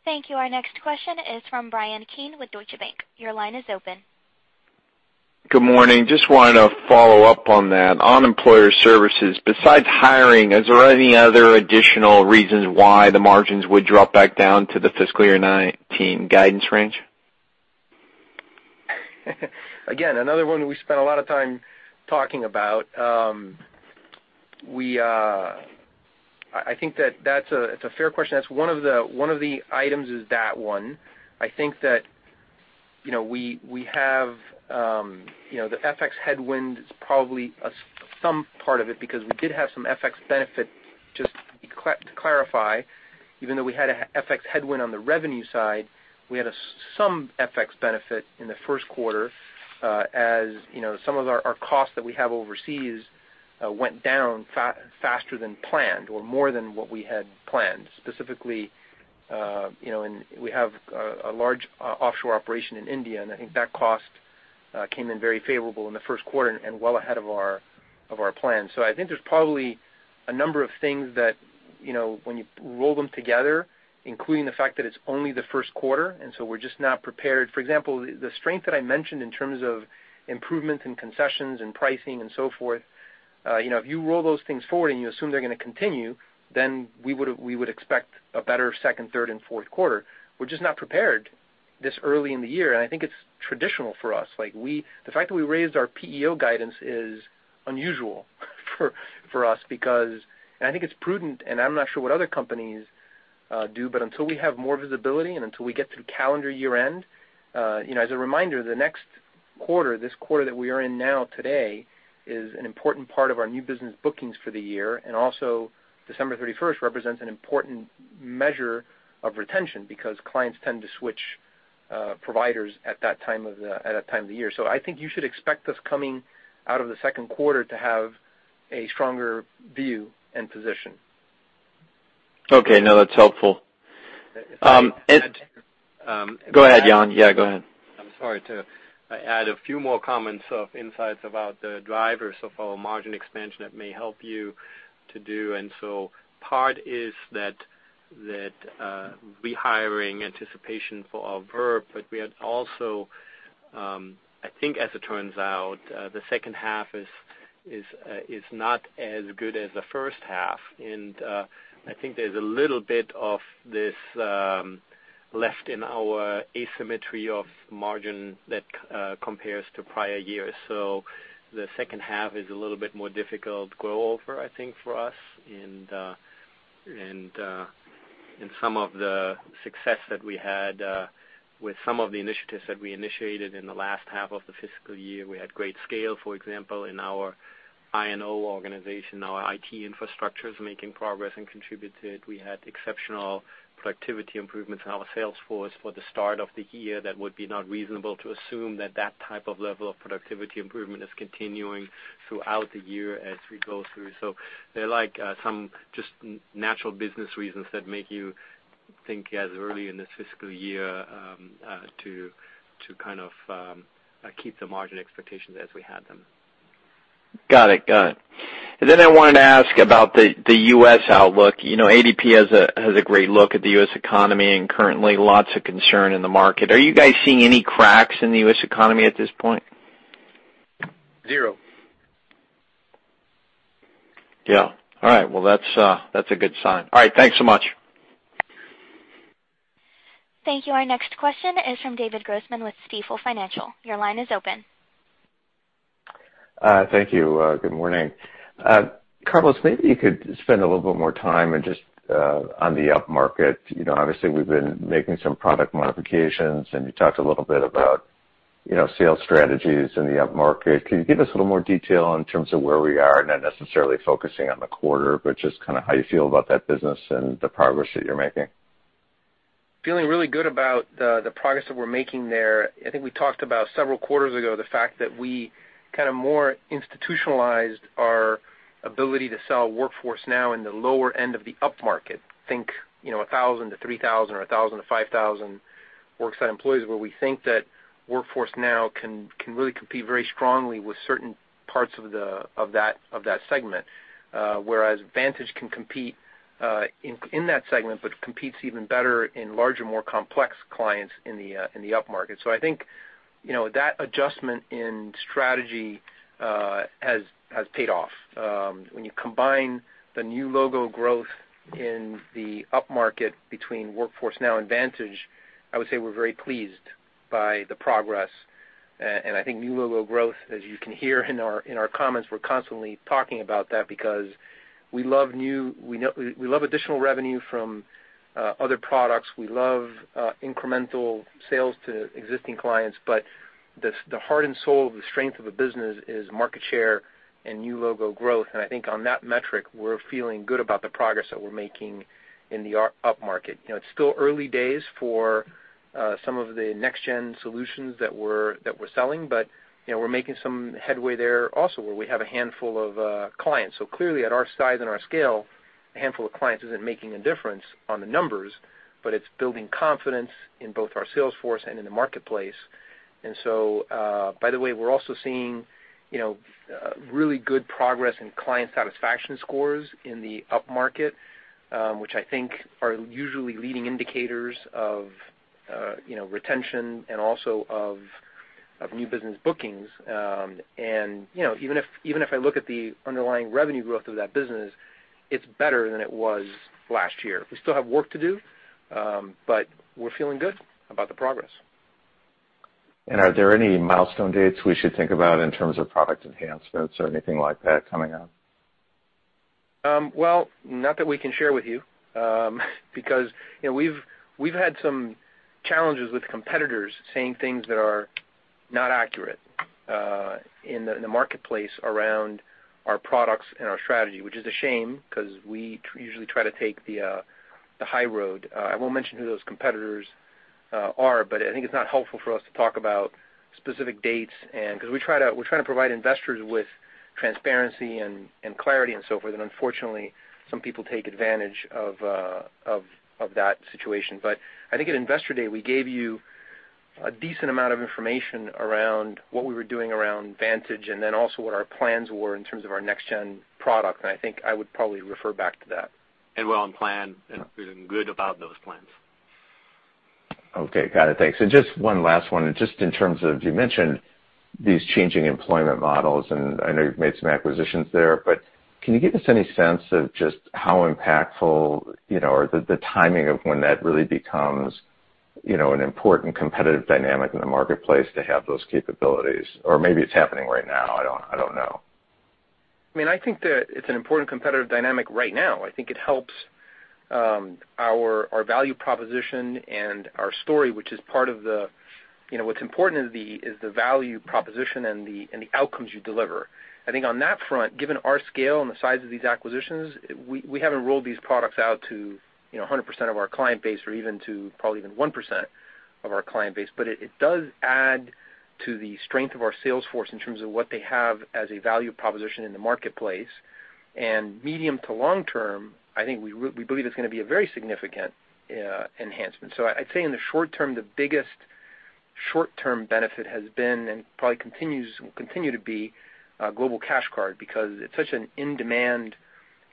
Thank you. Our next question is from Bryan Keane with Deutsche Bank. Your line is open. Good morning. Just wanted to follow up on that. On Employer Services, besides hiring, is there any other additional reasons why the margins would drop back down to the fiscal year 2019 guidance range? Again, another one we spent a lot of time talking about. I think that's a fair question. One of the items is that one. I think the FX headwind is probably some part of it because we did have some FX benefit. Just to clarify, even though we had an FX headwind on the revenue side, we had some FX benefit in the first quarter as some of our costs that we have overseas went down faster than planned, or more than what we had planned. Specifically, we have a large offshore operation in India, and I think that cost came in very favorable in the first quarter and well ahead of our plan. I think there's probably a number of things that when you roll them together, including the fact that it's only the first quarter, and we're just not prepared. For example, the strength that I mentioned in terms of improvements in concessions and pricing and so forth, if you roll those things forward and you assume they're going to continue, then we would expect a better second, third, and fourth quarter. We're just not prepared this early in the year, and I think it's traditional for us. The fact that we raised our PEO guidance is unusual for us because I think it's prudent, and I'm not sure what other companies do, but until we have more visibility and until we get through calendar year-end, as a reminder, the next quarter, this quarter that we are in now today, is an important part of our new business bookings for the year. December 31st represents an important measure of retention because clients tend to switch providers at that time of the year. I think you should expect us coming out of the second quarter to have a stronger view and position. Okay. No, that's helpful. If I may add. Go ahead, Jan. Yeah, go ahead. I'm sorry to add a few more comments of insights about the drivers of our margin expansion that may help you to do. Part is that rehiring anticipation for our VERP. We had also, I think as it turns out, the second half is not as good as the first half. I think there's a little bit of this left in our asymmetry of margin that compares to prior years. The second half is a little bit more difficult to go over, I think, for us. Some of the success that we had with some of the initiatives that we initiated in the last half of the fiscal year, we had great scale, for example, in our INO organization, our IT Infrastructure is making progress and contributed. We had exceptional productivity improvements in our sales force for the start of the year that would be not reasonable to assume that type of level of productivity improvement is continuing throughout the year as we go through. They're some just natural business reasons that make you think as early in this fiscal year to kind of keep the margin expectations as we had them. Got it. I wanted to ask about the U.S. outlook. ADP has a great look at the U.S. economy, and currently lots of concern in the market. Are you guys seeing any cracks in the U.S. economy at this point? Zero. Yeah. All right. Well, that's a good sign. All right. Thanks so much. Thank you. Our next question is from David Grossman with Stifel Financial. Your line is open. Thank you. Good morning. Carlos, maybe you could spend a little bit more time on the upmarket. Obviously, we've been making some product modifications, and you talked a little bit about sales strategies in the upmarket. Can you give us a little more detail in terms of where we are, not necessarily focusing on the quarter, but just how you feel about that business and the progress that you're making? Feeling really good about the progress that we're making there. I think we talked about several quarters ago, the fact that we kind of more institutionalized our ability to sell Workforce Now in the lower end of the upmarket. Think 1,000 to 3,000 or 1,000 to 5,000 worksite employees, where we think that Workforce Now can really compete very strongly with certain parts of that segment. Whereas Vantage can compete in that segment, but competes even better in larger, more complex clients in the upmarket. I think that adjustment in strategy has paid off. When you combine the new logo growth in the upmarket between Workforce Now and Vantage, I would say we're very pleased by the progress. I think new logo growth, as you can hear in our comments, we're constantly talking about that because we love additional revenue from other products. We love incremental sales to existing clients, but the heart and soul, the strength of the business is market share and new logo growth. I think on that metric, we're feeling good about the progress that we're making in the upmarket. It's still early days for some of the next-gen solutions that we're selling, but we're making some headway there also, where we have a handful of clients. Clearly, at our size and our scale, a handful of clients isn't making a difference on the numbers, but it's building confidence in both our sales force and in the marketplace. By the way, we're also seeing really good progress in client satisfaction scores in the upmarket, which I think are usually leading indicators of retention and also of new business bookings. Even if I look at the underlying revenue growth of that business, it's better than it was last year. We still have work to do, but we're feeling good about the progress. Are there any milestone dates we should think about in terms of product enhancements or anything like that coming up? Well, not that we can share with you, because we've had some challenges with competitors saying things that are not accurate in the marketplace around our products and our strategy, which is a shame because we usually try to take the high road. I think it's not helpful for us to talk about specific dates, because we're trying to provide investors with transparency and clarity and so forth, and unfortunately, some people take advantage of that situation. I think at Investor Day, we gave you a decent amount of information around what we were doing around Vantage and then also what our plans were in terms of our next gen product. I think I would probably refer back to that. Well on plan and feeling good about those plans. Okay. Got it. Thanks. Just one last one, just in terms of, you mentioned these changing employment models, and I know you've made some acquisitions there, but can you give us any sense of just how impactful or the timing of when that really becomes an important competitive dynamic in the marketplace to have those capabilities? Or maybe it's happening right now, I don't know. I think that it's an important competitive dynamic right now. I think it helps our value proposition and our story, which is part of the What's important is the value proposition and the outcomes you deliver. I think on that front, given our scale and the size of these acquisitions, we haven't rolled these products out to 100% of our client base or even to probably even 1% of our client base. It does add to the strength of our sales force in terms of what they have as a value proposition in the marketplace. Medium to long term, I think we believe it's going to be a very significant enhancement. I'd say in the short term, the biggest short-term benefit has been, and probably will continue to be Global Cash Card, because it's such an in-demand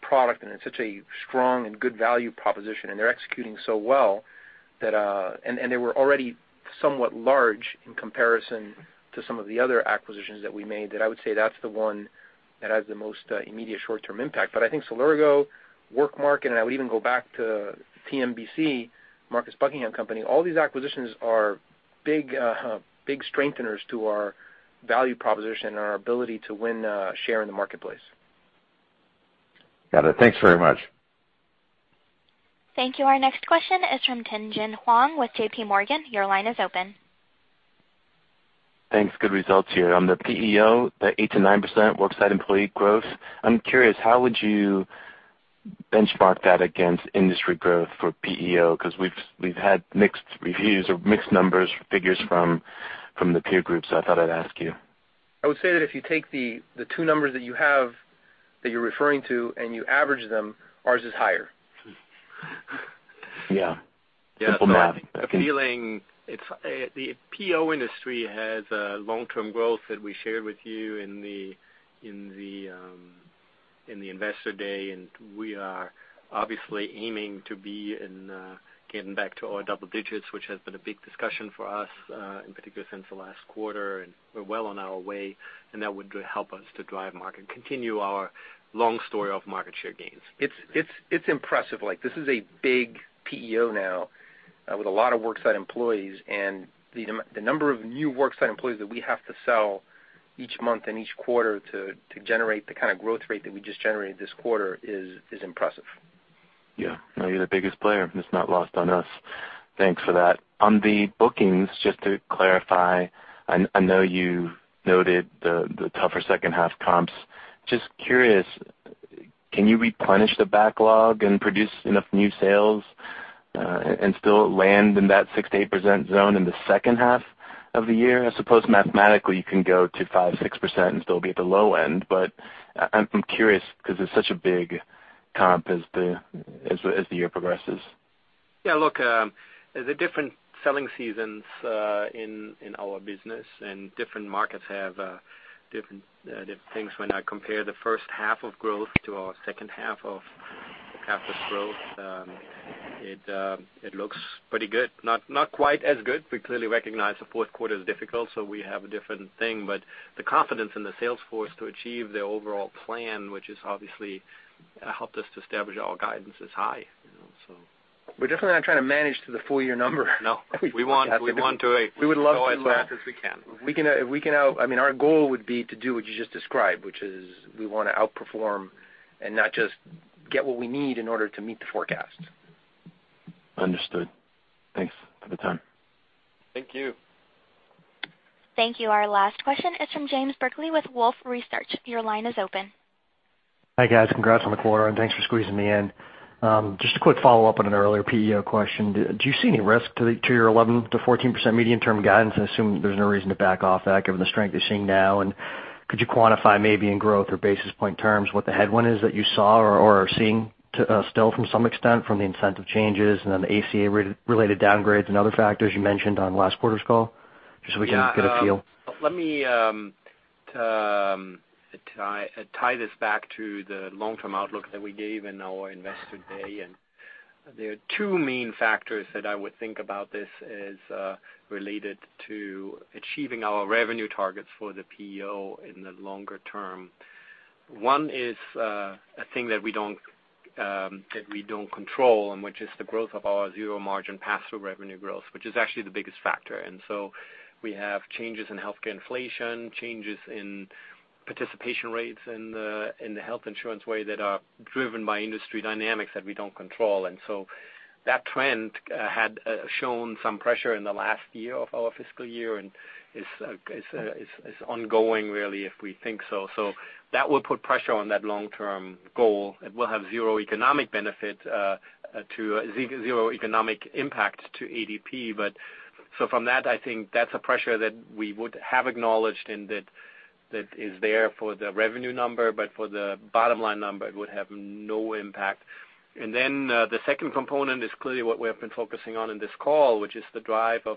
product and it's such a strong and good value proposition, and they're executing so well. They were already somewhat large in comparison to some of the other acquisitions that we made, that I would say that's the one that has the most immediate short-term impact. I think Celergo, WorkMarket, and I would even go back to TMBC, Marcus Buckingham Company, all these acquisitions are big strengtheners to our value proposition and our ability to win share in the marketplace. Got it. Thanks very much. Thank you. Our next question is from Tien-Tsin Huang with JP Morgan. Your line is open. Thanks. Good results here. On the PEO, the 8%-9% worksite employee growth, I'm curious, how would you benchmark that against industry growth for PEO? Because we've had mixed reviews or mixed numbers, figures from the peer group, so I thought I'd ask you. I would say that if you take the two numbers that you have, that you're referring to, and you average them, ours is higher. Yeah. Simple math. Yeah. I think the PEO industry has a long-term growth that we shared with you in the Investor Day. We are obviously aiming to be in getting back to our double digits, which has been a big discussion for us, in particular since the last quarter. We're well on our way. That would help us to drive market, continue our long story of market share gains. It's impressive. This is a big PEO now with a lot of worksite employees. The number of new worksite employees that we have to sell each month and each quarter to generate the kind of growth rate that we just generated this quarter is impressive. Yeah. No, you're the biggest player, and it's not lost on us. Thanks for that. On the bookings, just to clarify, I know you noted the tougher second half comps. Just curious, can you replenish the backlog and produce enough new sales, and still land in that 6%-8% zone in the second half of the year? I suppose mathematically, you can go to 5%-6% and still be at the low end, but I'm curious because it's such a big comp as the year progresses. Yeah, look, there are different selling seasons in our business, and different markets have different things. When I compare the first half of growth to our second half of growth, it looks pretty good. Not quite as good. We clearly recognize the fourth quarter is difficult, so we have a different thing, but the confidence in the sales force to achieve their overall plan, which has obviously helped us to establish our guidance, is high. We're definitely not trying to manage to the full year number. No. We want to go as fast as we can. Our goal would be to do what you just described, which is we want to outperform and not just get what we need in order to meet the forecast. Understood. Thanks for the time. Thank you. Thank you. Our last question is from James Berkley with Wolfe Research. Your line is open. Hi, guys. Congrats on the quarter, and thanks for squeezing me in. Just a quick follow-up on an earlier PEO question. Do you see any risk to your 11%-14% medium-term guidance? I assume there's no reason to back off that given the strength you're seeing now. Could you quantify maybe in growth or basis points terms what the headwind is that you saw or are seeing still from some extent from the incentive changes and then the ACA-related downgrades and other factors you mentioned on last quarter's call, just so we can get a feel? Let me tie this back to the long-term outlook that we gave in our Investor Day. There are two main factors that I would think about this as related to achieving our revenue targets for the PEO in the longer term. One is a thing that we don't control, which is the growth of our zero margin pass-through revenue growth, which is actually the biggest factor. We have changes in healthcare inflation, changes in participation rates in the health insurance way that are driven by industry dynamics that we don't control. That trend had shown some pressure in the last year of our fiscal year, and is ongoing really if we think so. That will put pressure on that long-term goal. It will have zero economic impact to ADP. From that, I think that's a pressure that we would have acknowledged and that is there for the revenue number, but for the bottom line number, it would have no impact. The second component is clearly what we have been focusing on in this call, which is the drive of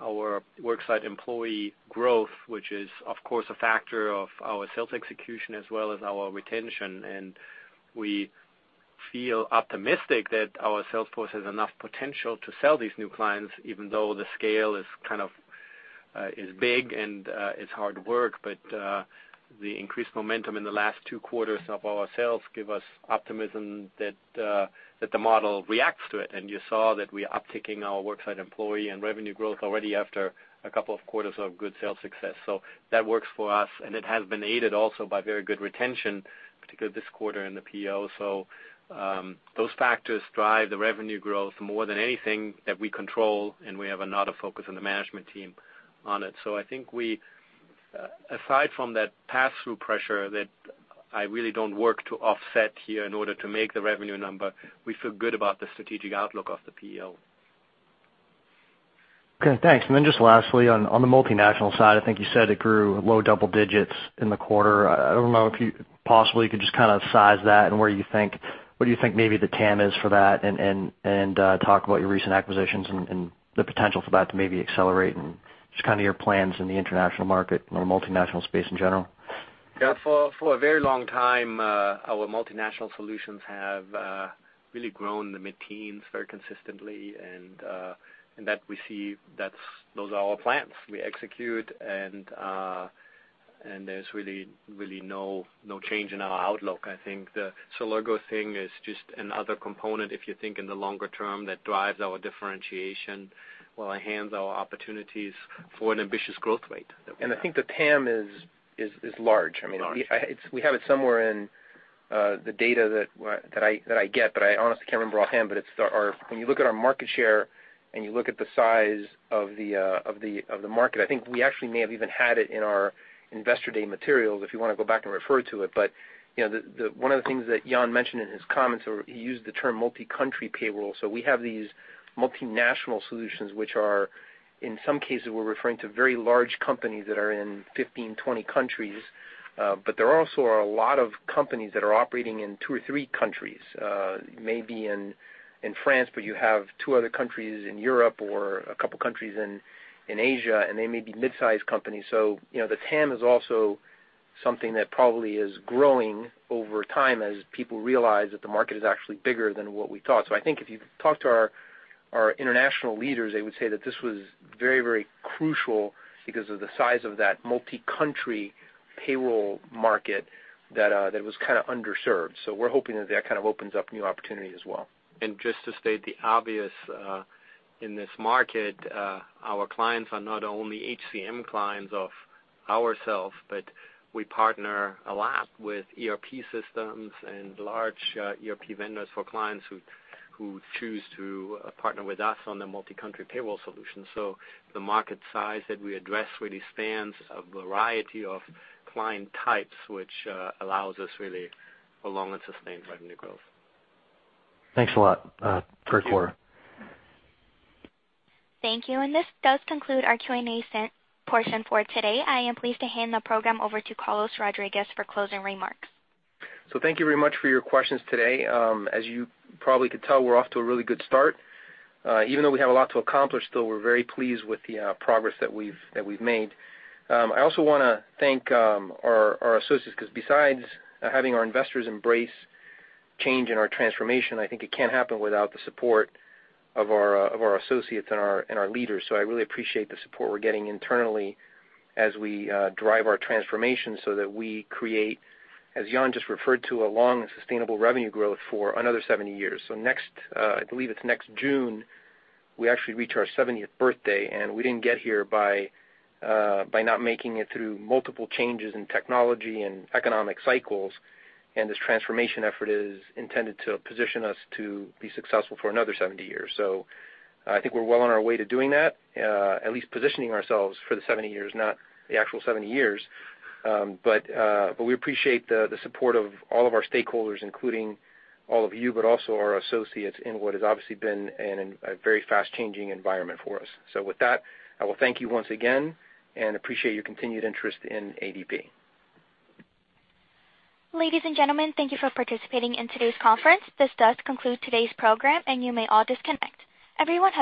our worksite employee growth, which is, of course, a factor of our sales execution as well as our retention. We feel optimistic that our sales force has enough potential to sell these new clients, even though the scale is big and it's hard work. The increased momentum in the last 2 quarters of our sales give us optimism that the model reacts to it. You saw that we are upticking our worksite employee and revenue growth already after a couple of quarters of good sales success. That works for us, and it has been aided also by very good retention, particularly this quarter in the PEO. Those factors drive the revenue growth more than anything that we control, and we have another focus on the management team on it. I think aside from that pass-through pressure that I really don't work to offset here in order to make the revenue number, we feel good about the strategic outlook of the PEO. Okay, thanks. Just lastly, on the multinational side, I think you said it grew low double digits in the quarter. I don't know if you possibly could just size that and what do you think maybe the TAM is for that? Talk about your recent acquisitions and the potential for that to maybe accelerate, and just your plans in the international market or multinational space in general. Yeah. For a very long time, our multinational solutions have really grown in the mid-teens very consistently. Those are our plans. We execute and there's really no change in our outlook. I think the Celergo thing is just another component if you think in the longer term, that drives our differentiation while it enhances our opportunities for an ambitious growth rate that we have. I think the TAM is large. Large. We have it somewhere in the data that I get, I honestly can't remember offhand. When you look at our market share, and you look at the size of the market, I think we actually may have even had it in our Investor Day materials, if you want to go back and refer to it. One of the things that Jan mentioned in his comments, he used the term multi-country payroll. We have these multinational solutions, which are, in some cases, we're referring to very large companies that are in 15, 20 countries. There also are a lot of companies that are operating in two or three countries. Maybe in France, you have two other countries in Europe or a couple of countries in Asia, and they may be mid-size companies. The TAM is also something that probably is growing over time as people realize that the market is actually bigger than what we thought. I think if you talk to our international leaders, they would say that this was very crucial because of the size of that multi-country payroll market that was underserved. We're hoping that that opens up new opportunities as well. Just to state the obvious, in this market, our clients are not only HCM clients of ourselves, but we partner a lot with ERP systems and large ERP vendors for clients who choose to partner with us on the multi-country payroll solution. The market size that we address really spans a variety of client types, which allows us really a long and sustained revenue growth. Thanks a lot. Great quarter. Thank you. This does conclude our Q&A portion for today. I am pleased to hand the program over to Carlos Rodriguez for closing remarks. Thank you very much for your questions today. As you probably could tell, we're off to a really good start. Even though we have a lot to accomplish still, we're very pleased with the progress that we've made. I also want to thank our associates, because besides having our investors embrace change in our transformation, I think it can't happen without the support of our associates and our leaders. I really appreciate the support we're getting internally as we drive our transformation so that we create, as Jan just referred to, a long and sustainable revenue growth for another 70 years. I believe it's next June, we actually reach our 70th birthday, and we didn't get here by not making it through multiple changes in technology and economic cycles, and this transformation effort is intended to position us to be successful for another 70 years. I think we're well on our way to doing that, at least positioning ourselves for the 70 years, not the actual 70 years. We appreciate the support of all of our stakeholders, including all of you, but also our associates in what has obviously been a very fast-changing environment for us. With that, I will thank you once again and appreciate your continued interest in ADP. Ladies and gentlemen, thank you for participating in today's conference. This does conclude today's program, and you may all disconnect. Everyone have.